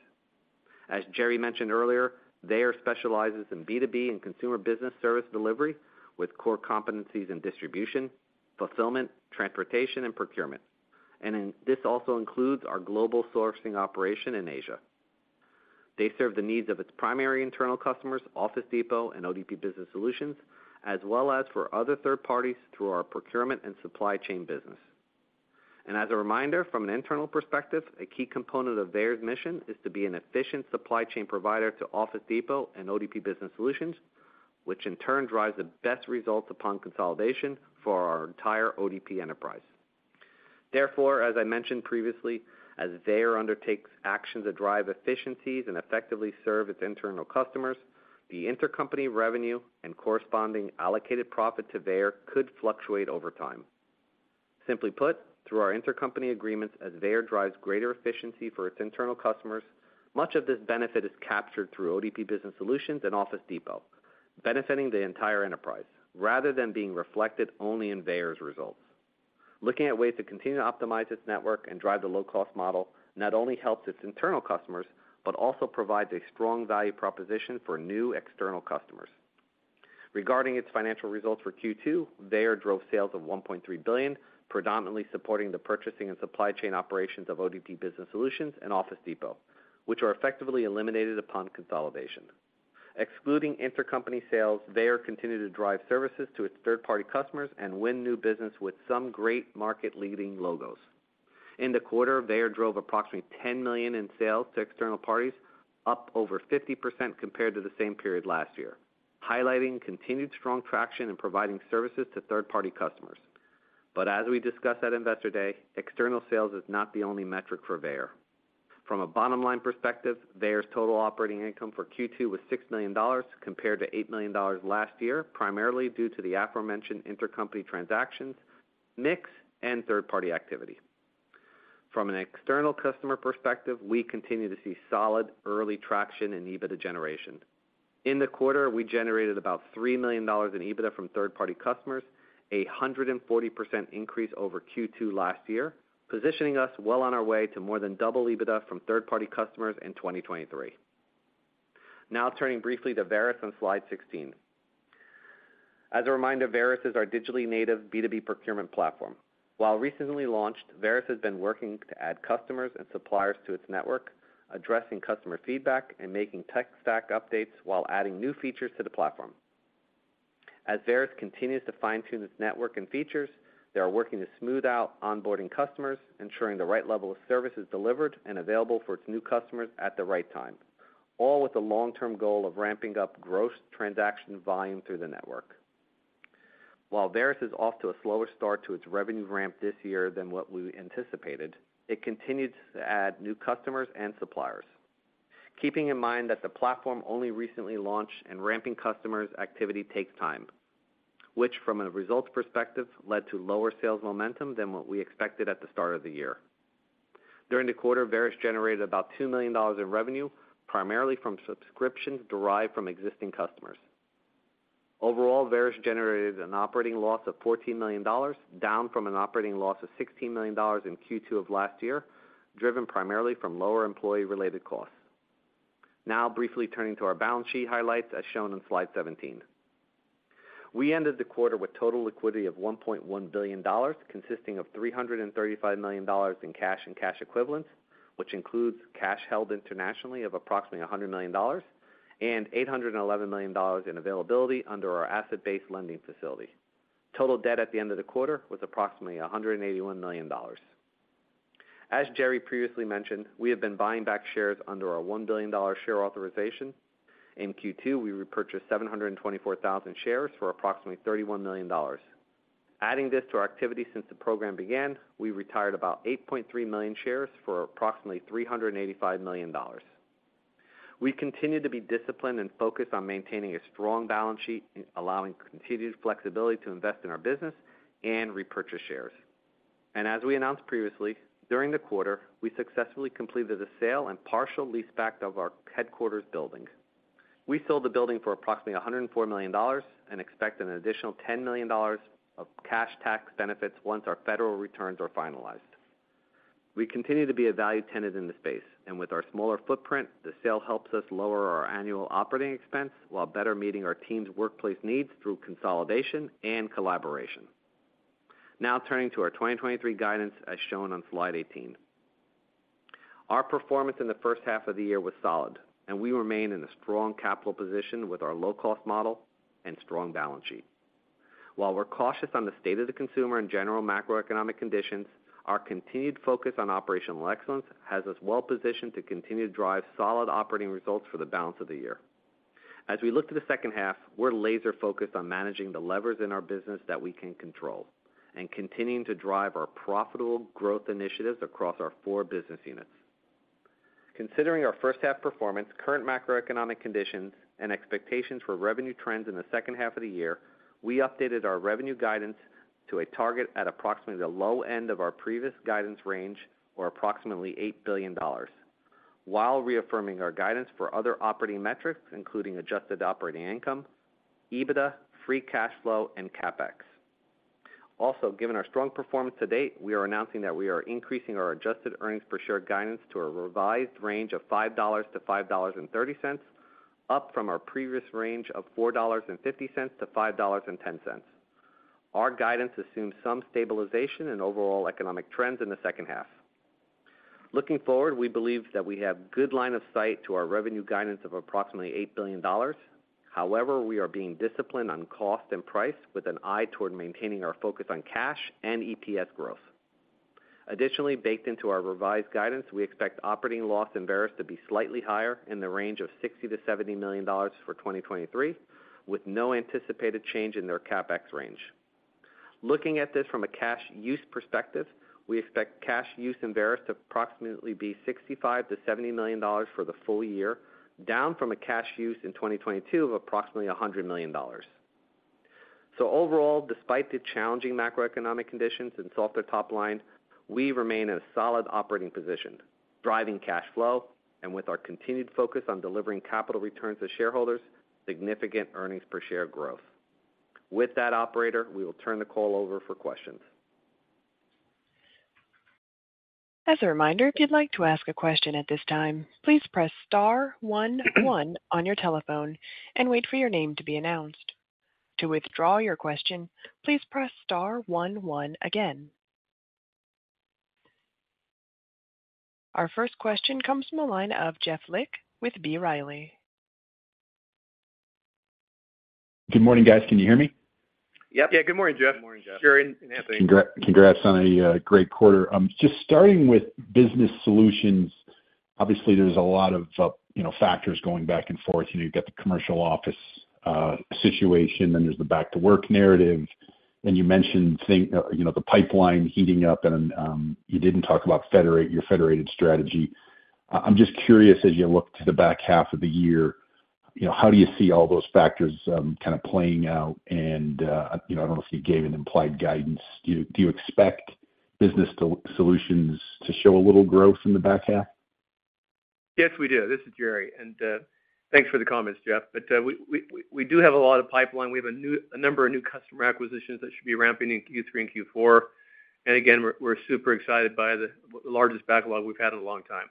As Gerry mentioned earlier, VEYER specializes in B2B and consumer business service delivery, with core competencies in distribution, fulfillment, transportation, and procurement. This also includes our global sourcing operation in Asia. They serve the needs of its primary internal customers, Office Depot and ODP Business Solutions, as well as for other third parties through our procurement and supply chain business. As a reminder, from an internal perspective, a key component of VEYER's mission is to be an efficient supply chain provider to Office Depot and ODP Business Solutions, which in turn drives the best results upon consolidation for our entire ODP enterprise. As I mentioned previously, as VEYER undertakes actions that drive efficiencies and effectively serve its internal customers, the intercompany revenue and corresponding allocated profit to VEYER could fluctuate over time. Simply put, through our intercompany agreements, as VEYER drives greater efficiency for its internal customers, much of this benefit is captured through ODP Business Solutions and Office Depot, benefiting the entire enterprise, rather than being reflected only in VEYER's results. Looking at ways to continue to optimize its network and drive the low-cost model not only helps its internal customers, but also provides a strong value proposition for new external customers. Regarding its financial results for Q2, VEYER drove sales of $1.3 billion, predominantly supporting the purchasing and supply chain operations of ODP Business Solutions and Office Depot, which are effectively eliminated upon consolidation. Excluding intercompany sales, VEYER continued to drive services to its third-party customers and win new business with some great market-leading logos. In the quarter, VEYER drove approximately $10 million in sales to external parties, up over 50% compared to the same period last year, highlighting continued strong traction in providing services to third-party customers. As we discussed at Investor Day, external sales is not the only metric for VEYER. From a bottom-line perspective, VEYER's total operating income for Q2 was $6 million, compared to $8 million last year, primarily due to the aforementioned intercompany transactions, mix, and third-party activity. From an external customer perspective, we continue to see solid early traction in EBITDA generation. In the quarter, we generated about $3 million in EBITDA from third-party customers, a 140% increase over Q2 last year, positioning us well on our way to more than double EBITDA from third-party customers in 2023. Turning briefly to Varis on Slide 16. As a reminder, Varis is our digitally native B2B procurement platform. While recently launched, Varis has been working to add customers and suppliers to its network, addressing customer feedback and making tech stack updates while adding new features to the platform. As Varis continues to fine-tune its network and features, they are working to smooth out onboarding customers, ensuring the right level of service is delivered and available for its new customers at the right time, all with the long-term goal of ramping up gross transaction volume through the network.... While Varis is off to a slower start to its revenue ramp this year than what we anticipated, it continues to add new customers and suppliers. Keeping in mind that the platform only recently launched and ramping customers activity takes time, which from a results perspective, led to lower sales momentum than what we expected at the start of the year. During the quarter, Varis generated about $2 million in revenue, primarily from subscriptions derived from existing customers. Overall, Varis generated an operating loss of $14 million, down from an operating loss of $16 million in Q2 of last year, driven primarily from lower employee-related costs. Briefly turning to our balance sheet highlights, as shown on Slide 17. We ended the quarter with total liquidity of $1.1 billion, consisting of $335 million in cash and cash equivalents, which includes cash held internationally of approximately $100 million and $811 million in availability under our asset-based lending facility. Total debt at the end of the quarter was approximately $181 million. As Gerry previously mentioned, we have been buying back shares under our $1 billion share authorization. In Q2, we repurchased 724,000 shares for approximately $31 million. Adding this to our activity since the program began, we retired about 8.3 million shares for approximately $385 million. We continue to be disciplined and focused on maintaining a strong balance sheet, allowing continued flexibility to invest in our business and repurchase shares. As we announced previously, during the quarter, we successfully completed the sale and partial leaseback of our headquarters building. We sold the building for approximately $104 million and expect an additional $10 million of cash tax benefits once our federal returns are finalized. We continue to be a valued tenant in the space, and with our smaller footprint, the sale helps us lower our annual operating expense while better meeting our team's workplace needs through consolidation and collaboration. Turning to our 2023 guidance as shown on Slide 18. Our performance in the first half of the year was solid, and we remain in a strong capital position with our low-cost model and strong balance sheet. While we're cautious on the state of the consumer and general macroeconomic conditions, our continued focus on operational excellence has us well positioned to continue to drive solid operating results for the balance of the year. As we look to the second half, we're laser focused on managing the levers in our business that we can control and continuing to drive our profitable growth initiatives across our four business units. Considering our first half performance, current macroeconomic conditions, and expectations for revenue trends in the second half of the year, we updated our revenue guidance to a target at approximately the low end of our previous guidance range, or approximately $8 billion, while reaffirming our guidance for other operating metrics, including adjusted operating income, EBITDA, free cash flow, and CapEx. Also, given our strong performance to date, we are announcing that we are increasing our adjusted earnings per share guidance to a revised range of $5-$5.30, up from our previous range of $4.50-$5.10. Our guidance assumes some stabilization in overall economic trends in the second half. Looking forward, we believe that we have good line of sight to our revenue guidance of approximately $8 billion. However, we are being disciplined on cost and price with an eye toward maintaining our focus on cash and EPS growth. Additionally, baked into our revised guidance, we expect operating loss in Varis to be slightly higher, in the range of $60 million-$70 million for 2023, with no anticipated change in their CapEx range. Looking at this from a cash use perspective, we expect cash use in VEYER to approximately be $65 million-$70 million for the full year, down from a cash use in 2022 of approximately $100 million. Overall, despite the challenging macroeconomic conditions and softer top line, we remain in a solid operating position, driving cash flow and with our continued focus on delivering capital returns to shareholders, significant earnings per share growth. With that, operator, we will turn the call over for questions. As a reminder, if you'd like to ask a question at this time, please press star one one on your telephone and wait for your name to be announced. To withdraw your question, please press star one one again. Our first question comes from the line of Jeff Lick with B. Riley. Good morning, guys. Can you hear me? Yep. Yeah. Good morning, Jeff. Good morning, Jeff. Gerry and Anthony. Congrats on a great quarter. Just starting with Business Solutions, obviously, there's a lot of, you know, factors going back and forth. You know, you've got the commercial office situation, then there's the back to work narrative, then you mentioned, you know, the pipeline heating up and you didn't talk about your Federated strategy. I'm just curious, as you look to the back half of the year, you know, how do you see all those factors kind of playing out? You know, I don't know if you gave an implied guidance. Do you, do you expect Business Solutions to show a little growth in the back half? Yes, we do. This is Gerry, and thanks for the comments, Jeff. We, we, we, we do have a lot of pipeline. We have a number of new customer acquisitions that should be ramping in Q3 and Q4. Again, we're, we're super excited by the, the largest backlog we've had in a long time.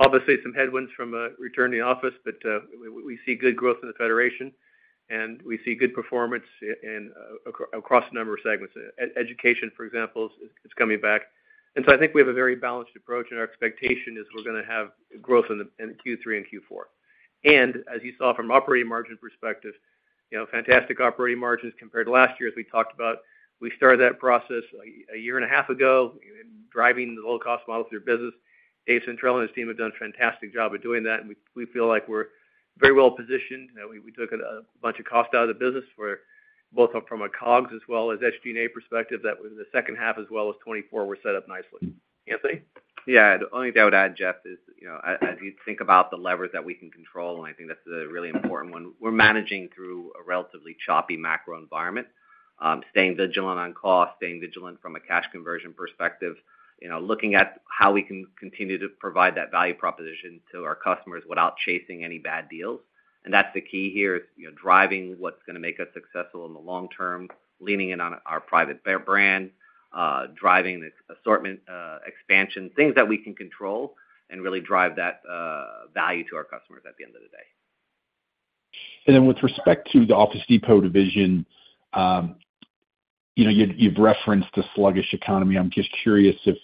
Obviously, some headwinds from return to the office, but we, we see good growth in the Federation, and we see good performance in, across a number of segments. Education, for example, is, is coming back. I think we have a very balanced approach, and our expectation is we're gonna have growth in the, in Q3 and Q4. As you saw from operating margins perspective, you know, fantastic operating margins compared to last year, as we talked about. We started that process a year and a half ago driving the low-cost model through your business. Dave Centrella and his team have done a fantastic job of doing that, and we, we feel like we're very well positioned. You know, we, we took a, a bunch of cost out of the business. We're both from a COGS as well as SG&A perspective, that was the second half as well as 2024, we're set up nicely. Anthony? Yeah, the only thing I would add, Jeff, is, you know, as you think about the levers that we can control, and I think that's a really important one, we're managing through a relatively choppy macro environment, staying vigilant on cost, staying vigilant from a cash conversion perspective. You know, looking at how we can continue to provide that value proposition to our customers without chasing any bad deals. That's the key here, is, you know, driving what's gonna make us successful in the long term, leaning in on our private brand, driving the assortment, expansion, things that we can control and really drive that value to our customers at the end of the day. Then with respect to the Office Depot division, you know, you've, you've referenced the sluggish economy. I'm just curious if,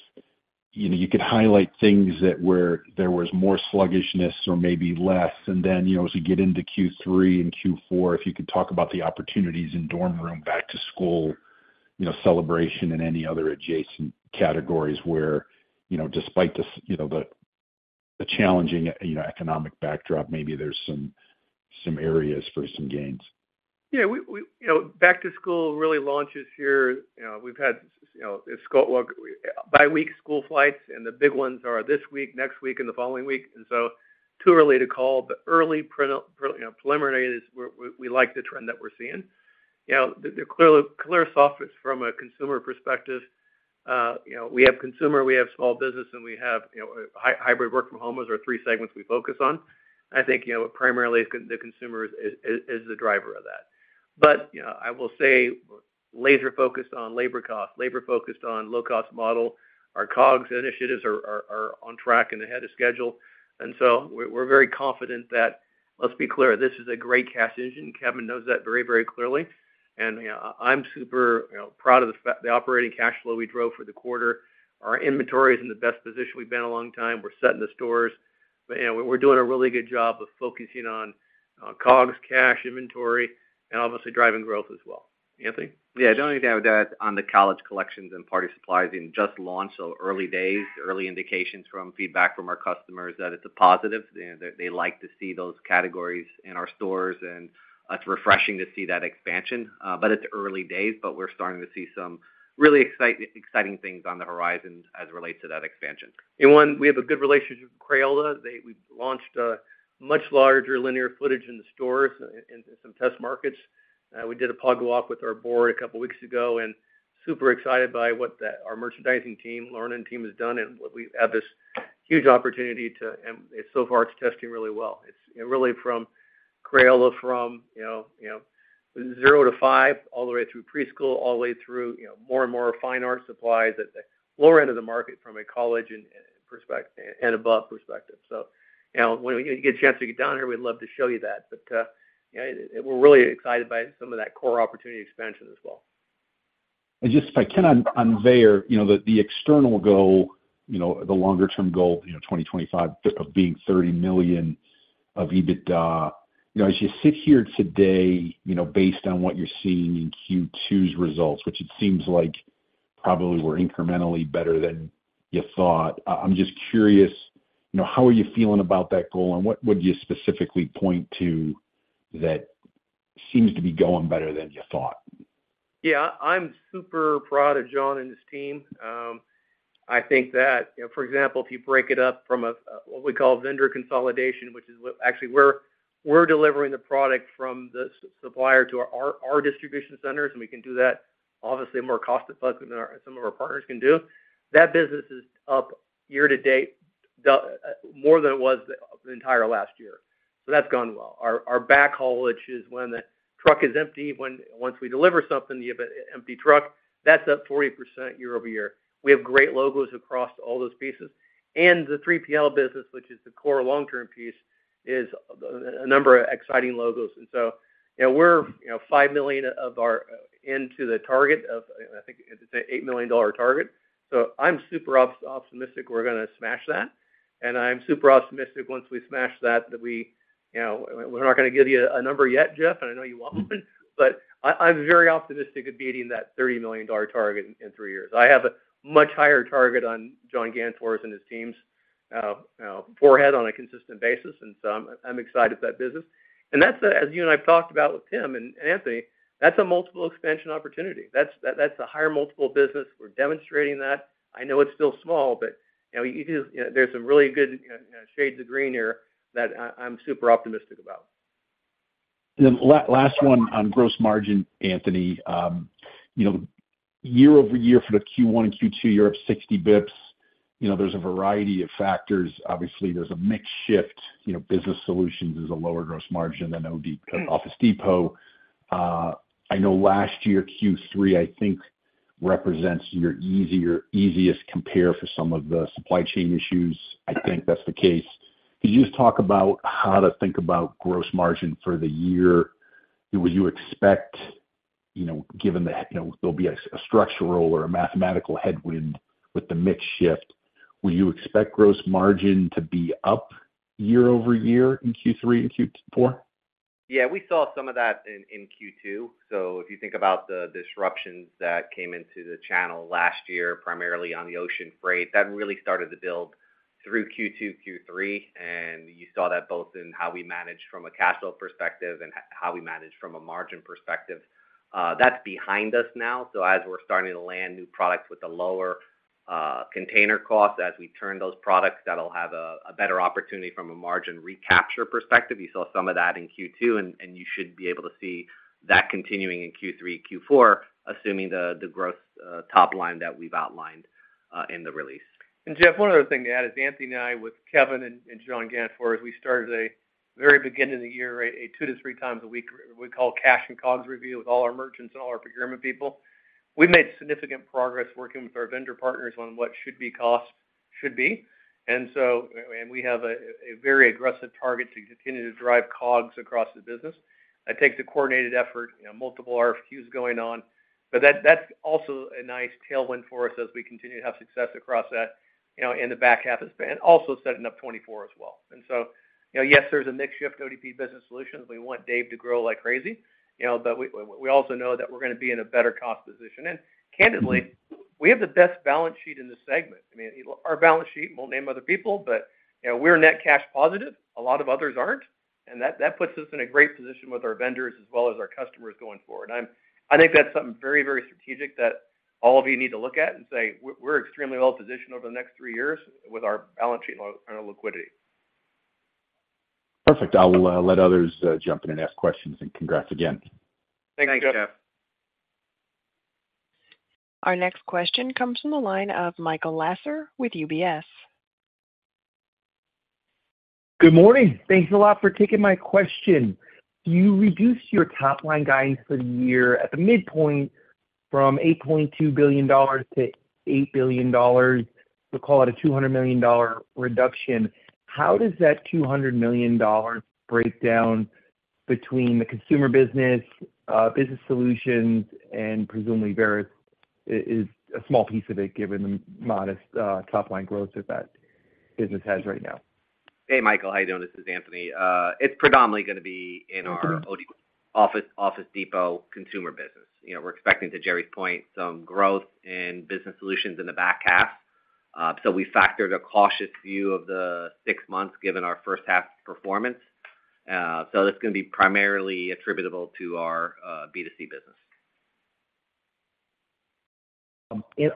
you know, you could highlight things there was more sluggishness or maybe less. Then, you know, as we get into Q3 and Q4, if you could talk about the opportunities in dorm room, back to school, you know, celebration and any other adjacent categories where, you know, despite the, you know, the, the challenging, you know, economic backdrop, maybe there's some, some areas for some gains. Yeah, we, you know, back-to-school really launches here. You know, we've had, you know, school, well, bi-week school flights, and the big ones are this week, next week and the following week. Too early to call, but early preliminaries, we like the trend that we're seeing. You know, they're clear, clear soft from a consumer perspective. You know, we have consumer, we have small business, and we have, you know, hybrid work from home, those are three segments we focus on. I think, you know, primarily the consumer is, is, is the driver of that. You know, I will say, laser focused on labor cost, labor focused on low-cost model. Our COGS initiatives are, are, are on track and ahead of schedule, and so we're, we're very confident that... Let's be clear, this is a great cash engine. Kevin knows that very, very clearly, and, you know, I'm super, you know, proud of the the operating cash flow we drove for the quarter. Our inventory is in the best position we've been in a long time. We're setting the stores, but, you know, we're doing a really good job of focusing on COGS, cash, inventory, and obviously driving growth as well. Anthony? Yeah, the only thing I would add on the college collections and party supplies in just launch. Early days, early indications from feedback from our customers that it's a positive. They like to see those categories in our stores. It's refreshing to see that expansion. It's early days. We're starting to see some really exciting things on the horizon as it relates to that expansion. One, we have a good relationship with Crayola. We've launched a much larger linear footage in the stores in some test markets. We did a POG walk with our board a couple weeks ago, and super excited by what our merchandising team, learning team has done and what we have this huge opportunity to, and so far, it's testing really well. It's really from Crayola, from, you know, you know, zero-five, all the way through preschool, all the way through, you know, more and more fine art supplies at the lower end of the market from a college and perspective, and above perspective. You know, when you get a chance to get down here, we'd love to show you that. You know, we're really excited by some of that core opportunity expansion as well. Just if I can on, on there, you know, the, the external goal, you know, the longer term goal, you know, 2025 of being $30 million of EBITDA. You know, as you sit here today, you know, based on what you're seeing in Q2's results, which it seems like probably were incrementally better than you thought, I'm just curious, you know, how are you feeling about that goal, and what would you specifically point to that seems to be going better than you thought? Yeah, I'm super proud of John and his team. I think that, you know, for example, if you break it up from a what we call vendor consolidation, actually, we're, we're delivering the product from the supplier to our, our, our distribution centers, and we can do that obviously more cost-effective than our, some of our partners can do. That business is up year-to-date, more than it was the entire last year. That's gone well. Our, our backhaul, which is when the truck is empty, when, once we deliver something, the empty truck, that's up 40% year-over-year. We have great logos across all those pieces. The 3PL business, which is the core long-term piece, is a, a number of exciting logos. So, you know, we're, you know, $5 million of our into the target of, I think, it's an $8 million target. I'm super optimistic we're gonna smash that, and I'm super optimistic once we smash that, that we, you know, we're not gonna give you a number yet, Jeff, and I know you want one, but I, I'm very optimistic of beating that $30 million target in three years. I have a much higher target on John Gannfors and his team's forehead on a consistent basis, and so I'm excited for that business. That's, as you and I have talked about with Tim and Anthony, that's a multiple expansion opportunity. That's, that's a higher multiple business. We're demonstrating that. I know it's still small, but, you know, you can, you know, there's some really good shades of green here that I, I'm super optimistic about. Last one on gross margin, Anthony. You know, year-over-year for the Q1 and Q2, you're up 60 basis points. You know, there's a variety of factors. Obviously, there's a mix shift. You know, Business Solutions is a lower gross margin than OD, Office Depot. I know last year, Q3, I think, represents your easier, easiest compare for some of the supply chain issues. I think that's the case. Could you just talk about how to think about gross margin for the year? Would you expect, you know, given that, you know, there'll be a structural or a mathematical headwind with the mix shift, will you expect gross margin to be up year-over-year in Q3 and Q4? Yeah, we saw some of that in, in Q2. If you think about the disruptions that came into the channel last year, primarily on the ocean freight, that really started to build through Q2, Q3, and you saw that both in how we managed from a cash flow perspective and how we managed from a margin perspective. That's behind us now. As we're starting to land new products with a lower container cost, as we turn those products, that'll have a better opportunity from a margin recapture perspective. You saw some of that in Q2, and, and you should be able to see that continuing in Q3, Q4, assuming the growth top line that we've outlined in the release. Jeff, one other thing to add is Anthony and I, with Kevin and John Gannfors, we started a very beginning of the year, a two-three times a week, we call cash and COGS review with all our merchants and all our procurement people. We made significant progress working with our vendor partners on what should be costs, should be. We have a very aggressive target to continue to drive COGS across the business. That takes a coordinated effort, you know, multiple RFQs going on, but that's also a nice tailwind for us as we continue to have success across that, you know, in the back half of the span, also setting up 2024 as well. You know, yes, there's a mix shift, ODP Business Solutions. We want Dave to grow like crazy, you know, but we, we also know that we're gonna be in a better cost position. Candidly, we have the best balance sheet in this segment. I mean, our balance sheet, won't name other people, but, you know, we're net cash positive, a lot of others aren't, and that, that puts us in a great position with our vendors as well as our customers going forward. I think that's something very, very strategic that all of you need to look at and say, we're extremely well-positioned over the next three years with our balance sheet and our liquidity. Perfect. I will let others jump in and ask questions. Congrats again. Thanks, Jeff. Our next question comes from the line of Michael Lasser with UBS. Good morning. Thanks a lot for taking my question. You reduced your top-line guidance for the year at the midpoint from $8.2 billion-$8 billion. We'll call it a $200 million reduction. How does that $200 million break down between the consumer business, Business Solutions, and presumably, Varis is a small piece of it, given the modest, top-line growth that that business has right now? Hey, Michael, how you doing? This is Anthony. It's predominantly gonna be in our Office Depot consumer business. You know, we're expecting, to Gerry's point, some growth in business solutions in the back half. We factored a cautious view of the six months, given our first half performance. That's gonna be primarily attributable to our B2C business.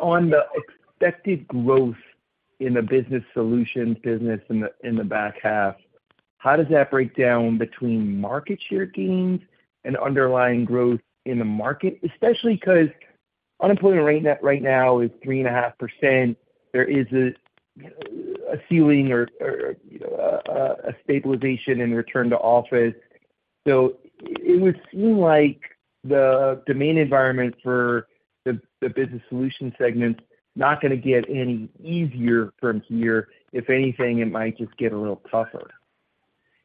On the expected growth in the Business Solutions business in the, in the back half, how does that break down between market share gains and underlying growth in the market? Especially 'cause unemployment rate net right now is 3.5%. There is a, a ceiling or, or, you know, a stabilization in return to office. It would seem like the domain environment for the, the Business Solutions segment is not gonna get any easier from here. If anything, it might just get a little tougher.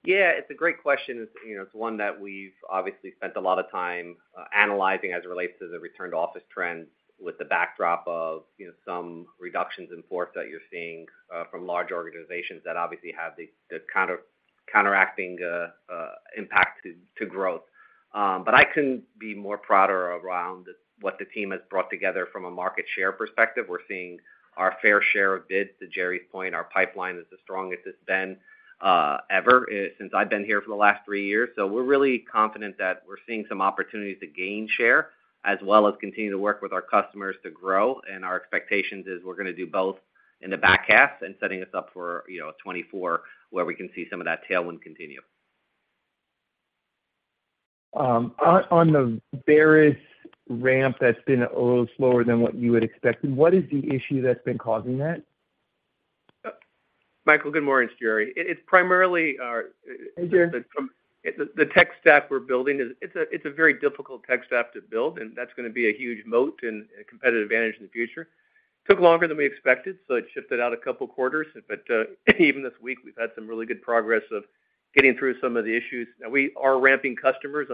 Yeah, it's a great question. You know, it's one that we've obviously spent a lot of time, analyzing as it relates to the return-to-office trend, with the backdrop of, you know, some reductions in force that you're seeing, from large organizations that obviously have the, the counteracting, impact to, to growth. I couldn't be more prouder around what the team has brought together from a market share perspective. We're seeing our fair share of bids. To Gerry's point, our pipeline is the strongest it's been, ever, since I've been here for the last three years. We're really confident that we're seeing some opportunities to gain share, as well as continue to work with our customers to grow. Our expectations is we're gonna do both in the back half and setting us up for, you know, 2024, where we can see some of that tailwind continue. On, on the Varis ramp that's been a little slower than what you had expected, what is the issue that's been causing that? Michael, good morning. It's Gerry. It is primarily our- Hey, Gerry. The tech stack we're building is it's a very difficult tech stack to build, and that's gonna be a huge moat and a competitive advantage in the future. Took longer than we expected, so it shifted out a couple quarters. Even this week, we've had some really good progress of getting through some of the issues. Now, we are ramping customers.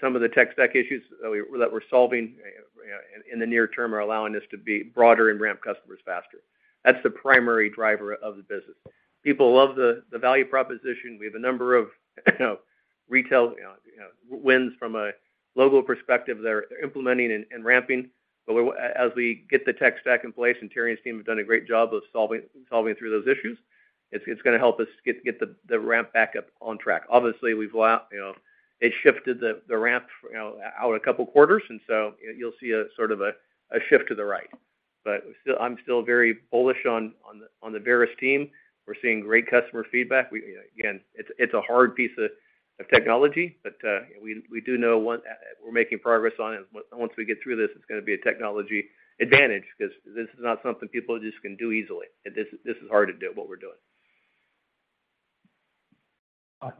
Some of the tech stack issues that we're solving, you know, in the near term are allowing us to be broader and ramp customers faster. That's the primary driver of the business. People love the value proposition. We have a number of, you know, retail, you know, wins from a logo perspective. They're implementing and ramping. We're as we get the tech stack in place, and Terry and his team have done a great job of solving, solving through those issues, it's, it's gonna help us get, get the, the ramp back up on track. Obviously, we've you know, it shifted the, the ramp, you know, out a couple quarters, and so you'll see a sort of a, a shift to the right. Still, I'm still very bullish on, on, on the Varis team. We're seeing great customer feedback. We, again, it's, it's a hard piece of, of technology, but we, we do know one. We're making progress on it. Once we get through this, it's gonna be a technology advantage because this is not something people just can do easily. This, this is hard to do, what we're doing.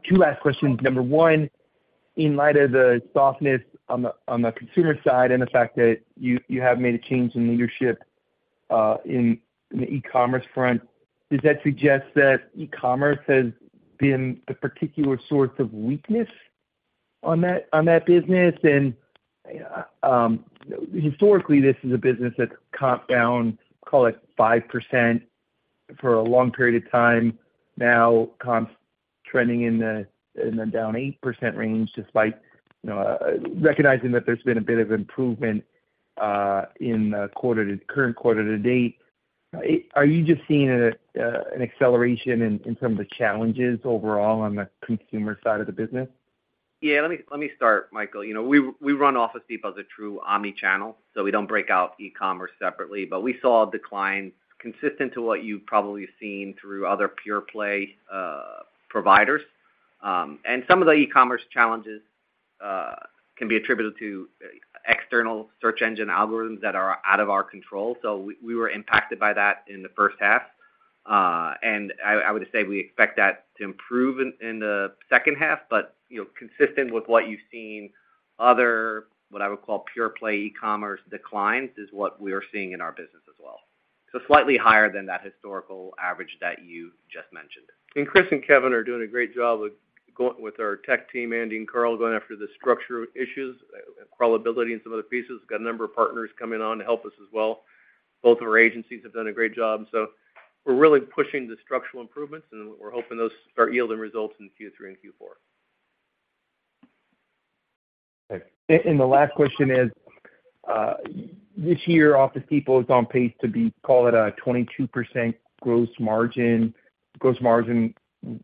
Two last questions. Number one, in light of the softness on the, on the consumer side and the fact that you, you have made a change in leadership in the e-commerce front, does that suggest that e-commerce has been the particular source of weakness? on that, on that business? Historically, this is a business that's comped down, call it 5% for a long period of time. Now, comp's trending in the, in the down 8% range, despite, you know, recognizing that there's been a bit of improvement in the quarter, current quarter-to-date. Are you just seeing an acceleration in some of the challenges overall on the consumer side of the business? Yeah, let me, let me start, Michael. You know, we, we run Office Depot as a true omni-channel, so we don't break out e-commerce separately, but we saw a decline consistent to what you've probably seen through other pure play providers. Some of the e-commerce challenges can be attributed to external search engine algorithms that are out of our control. We were impacted by that in the first half. I would just say we expect that to improve in the second half, but, you know, consistent with what you've seen, other, what I would call pure play e-commerce declines, is what we are seeing in our business as well. Slightly higher than that historical average that you just mentioned. Chris and Kevin are doing a great job with with our tech team, Andy and Carl, going after the structural issues, crawlability, and some other pieces. Got a number of partners coming on to help us as well. Both of our agencies have done a great job, so we're really pushing the structural improvements, and we're hoping those start yielding results in Q3 and Q4. The last question is, this year, Office Depot is on pace to be, call it, a 22% gross margin. Gross margin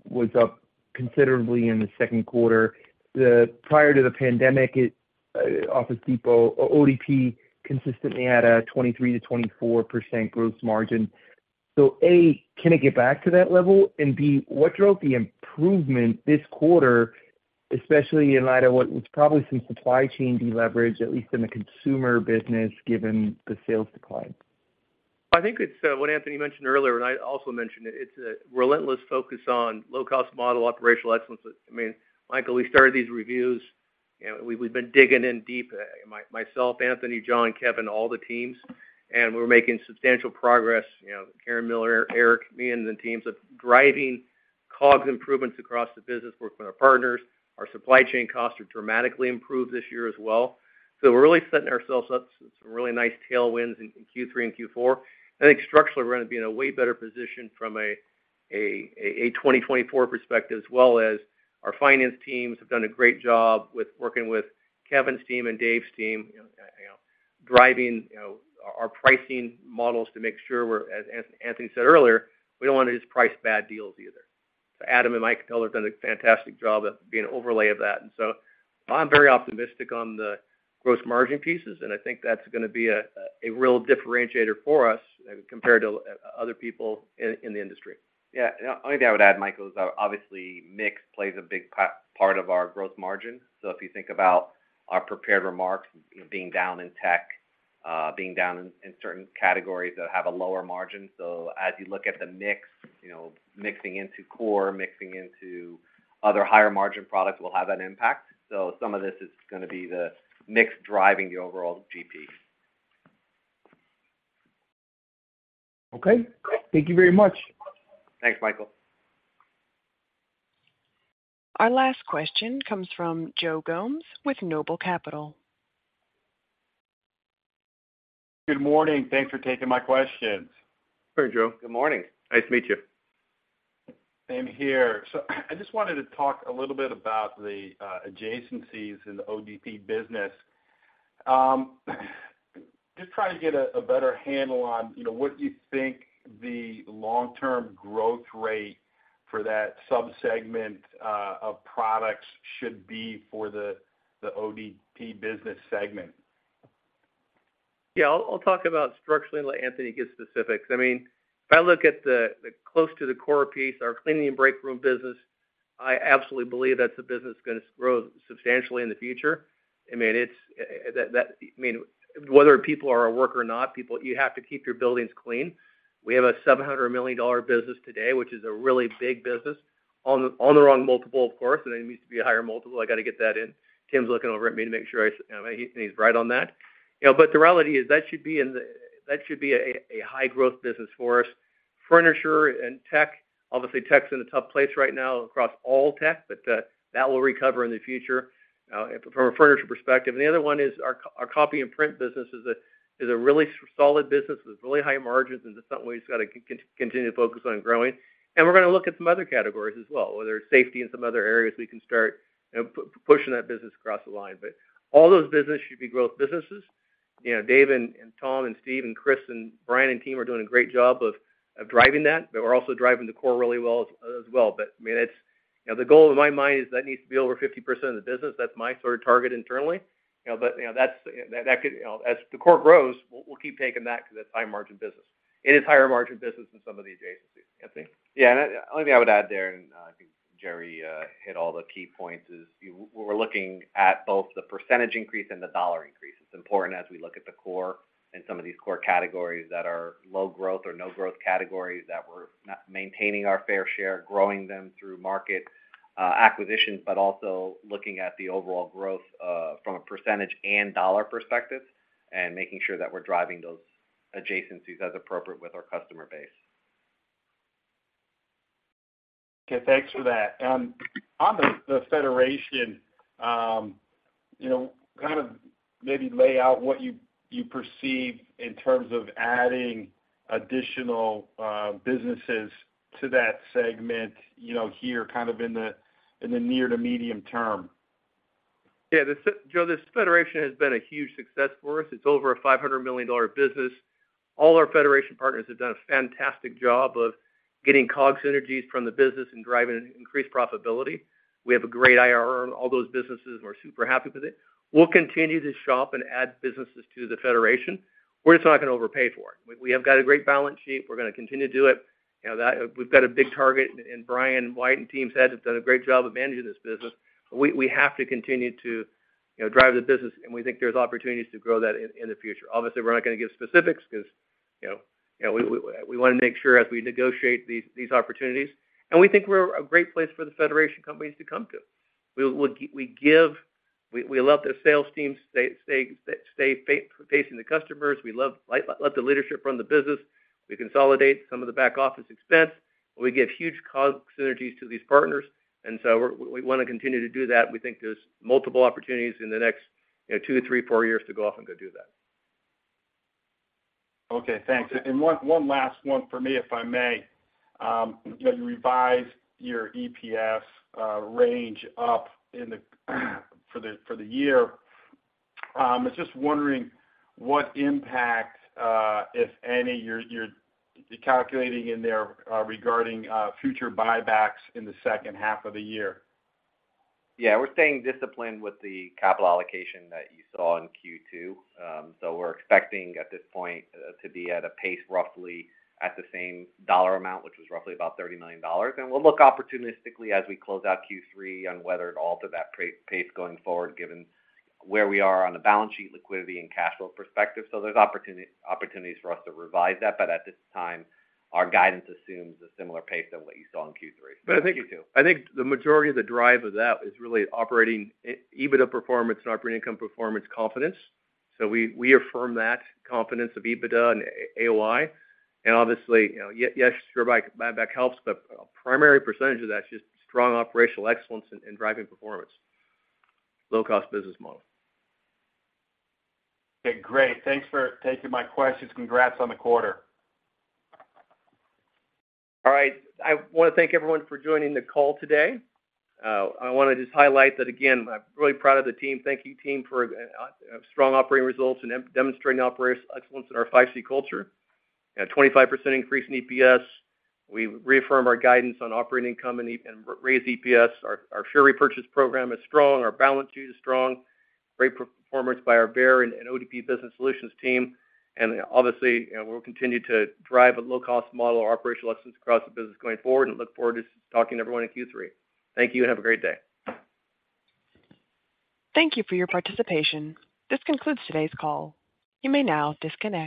was up considerably in the second quarter. Prior to the pandemic, Office Depot, ODP, consistently had a 23%-24% gross margin. A, can it get back to that level? B, what drove the improvement this quarter, especially in light of what was probably some supply chain deleverage, at least in the consumer business, given the sales decline? I think it's what Anthony mentioned earlier, and I also mentioned it, it's a relentless focus on low-cost model operational excellence. I mean, Michael, we started these reviews, and we, we've been digging in deep, myself, Anthony, John, Kevin, all the teams, and we're making substantial progress. You know, Karen Miller, Eric, me and the teams of driving COGS improvements across the business, working with our partners. Our supply chain costs are dramatically improved this year as well. We're really setting ourselves up for some really nice tailwinds in Q3 and Q4. I think structurally, we're going to be in a way better position from a 2024 perspective, as well as our finance teams have done a great job with working with Kevin's team and Dave's team, you know, driving, you know, our pricing models to make sure we're, as Anthony said earlier, we don't want to just price bad deals either. Adam and Mike Miller have done a fantastic job of being an overlay of that. I'm very optimistic on the gross margin pieces, and I think that's gonna be a real differentiator for us compared to other people in the industry. Yeah, only thing I would add, Michael, is obviously, mix plays a big part of our growth margin. If you think about our prepared remarks, being down in tech, being down in, in certain categories that have a lower margin. As you look at the mix, you know, mixing into core, mixing into other higher margin products will have that impact. Some of this is gonna be the mix driving the overall GP. Okay. Thank you very much. Thanks, Michael. Our last question comes from Joe Gomes with NOBLE Capital. Good morning. Thanks for taking my questions. Hey, Joe. Good morning. Nice to meet you. Same here. I just wanted to talk a little bit about the adjacencies in the ODP business. Just trying to get a better handle on, you know, what you think the long-term growth rate for that subsegment of products should be for the ODP business segment. Yeah, I'll, I'll talk about structurally, and let Anthony give specifics. I mean, if I look at the, the close to the core piece, our cleaning and break room business, I absolutely believe that's a business that's gonna grow substantially in the future. I mean, it's, that, I mean, whether people are at work or not, people- you have to keep your buildings clean. We have a $700 million business today, which is a really big business. On the, on the wrong multiple, of course, and it needs to be a higher multiple. I got to get that in. Tim's looking over at me to make sure I, you know, he's right on that. You know, but the reality is that should be in the-- That should be a, a high-growth business for us. Furniture and tech, obviously, tech's in a tough place right now across all tech, but that will recover in the future from a furniture perspective. The other one is our, our copy and print business is a, is a really solid business with really high margins, just something we've just got to continue to focus on growing. We're gonna look at some other categories as well, whether it's safety and some other areas we can start pushing that business across the line. All those business should be growth businesses. You know, Dave and Tom and Steve and Chris and Brian, and team are doing a great job of driving that, but we're also driving the core really well as well. I mean, it's... You know, the goal in my mind is that needs to be over 50% of the business. That's my sort of target internally, you know, but, you know, that's, that could, you know, as the core grows, we'll, we'll keep taking that because it's high margin business. It is higher margin business than some of the adjacencies. Anthony? Yeah, only thing I would add there, I think Gerry, hit all the key points, is we're looking at both the percentage increase and the dollar increase. It's important as we look at the core and some of these core categories that are low growth or no growth categories, that we're maintaining our fair share, growing them through market, acquisitions, but also looking at the overall growth, from a percentage and dollar perspective, and making sure that we're driving those adjacencies as appropriate with our customer base. Okay, thanks for that. on the, the Federation, you know, kind of maybe lay out what you, you perceive in terms of adding additional, businesses to that segment, you know, here, kind of in the, in the near to medium term. Yeah, Joe, this Federation has been a huge success for us. It's over a $500 million business. All our Federation partners have done a fantastic job of getting COGS synergies from the business and driving increased profitability. We have a great IRR on all those businesses, and we're super happy with it. We'll continue to shop and add businesses to the Federation. We're just not going to overpay for it. We have got a great balance sheet. We're going to continue to do it. You know, we've got a big target, and Brian White and teams head has done a great job of managing this business. We have to continue to, you know, drive the business, and we think there's opportunities to grow that in, in the future. Obviously, we're not going to give specifics because, you know, we, we, we want to make sure as we negotiate these, these opportunities, and we think we're a great place for the Federation companies to come to. We, we let the sales teams stay, stay, facing the customers. We let, let the leadership run the business. We consolidate some of the back-office expense, and we give huge cost synergies to these partners. we're, we want to continue to do that. We think there's multiple opportunities in the next, you know, two-three, four years to go off and go do that. Okay, thanks. One, one last one for me, if I may. You revised your EPS range up in the, for the, for the year. I was just wondering what impact, if any, you're, you're calculating in there, regarding, future buybacks in the second half of the year? Yeah, we're staying disciplined with the capital allocation that you saw in Q2. We're expecting, at this point, to be at a pace roughly at the same dollar amount, which was roughly about $30 million. We'll look opportunistically as we close out Q3 on whether it alter that pace going forward, given where we are on the balance sheet, liquidity, and cash flow perspective. There's opportunities for us to revise that, but at this time, our guidance assumes a similar pace than what you saw in Q3. I think, I think the majority of the drive of that is really operating EBITDA performance and operating income performance confidence. We, we affirm that confidence of EBITDA and AOI. Obviously, you know, yes, sure, buyback helps, but primary percentage of that is just strong operational excellence in driving performance. Low-cost business model. Okay, great. Thanks for taking my questions. Congrats on the quarter! All right. I want to thank everyone for joining the call today. I want to just highlight that again, I'm really proud of the team. Thank you, team, for strong operating results and demonstrating operational excellence in our 5C Culture. A 25% increase in EPS. We reaffirm our guidance on operating income and raise EPS. Our share repurchase program is strong. Our balance sheet is strong. Great performance by our VEYER and ODP Business Solutions team. Obviously, you know, we'll continue to drive a low-cost model of operational excellence across the business going forward, and look forward to talking to everyone in Q3. Thank you, and have a great day. Thank you for your participation. This concludes today's call. You may now disconnect.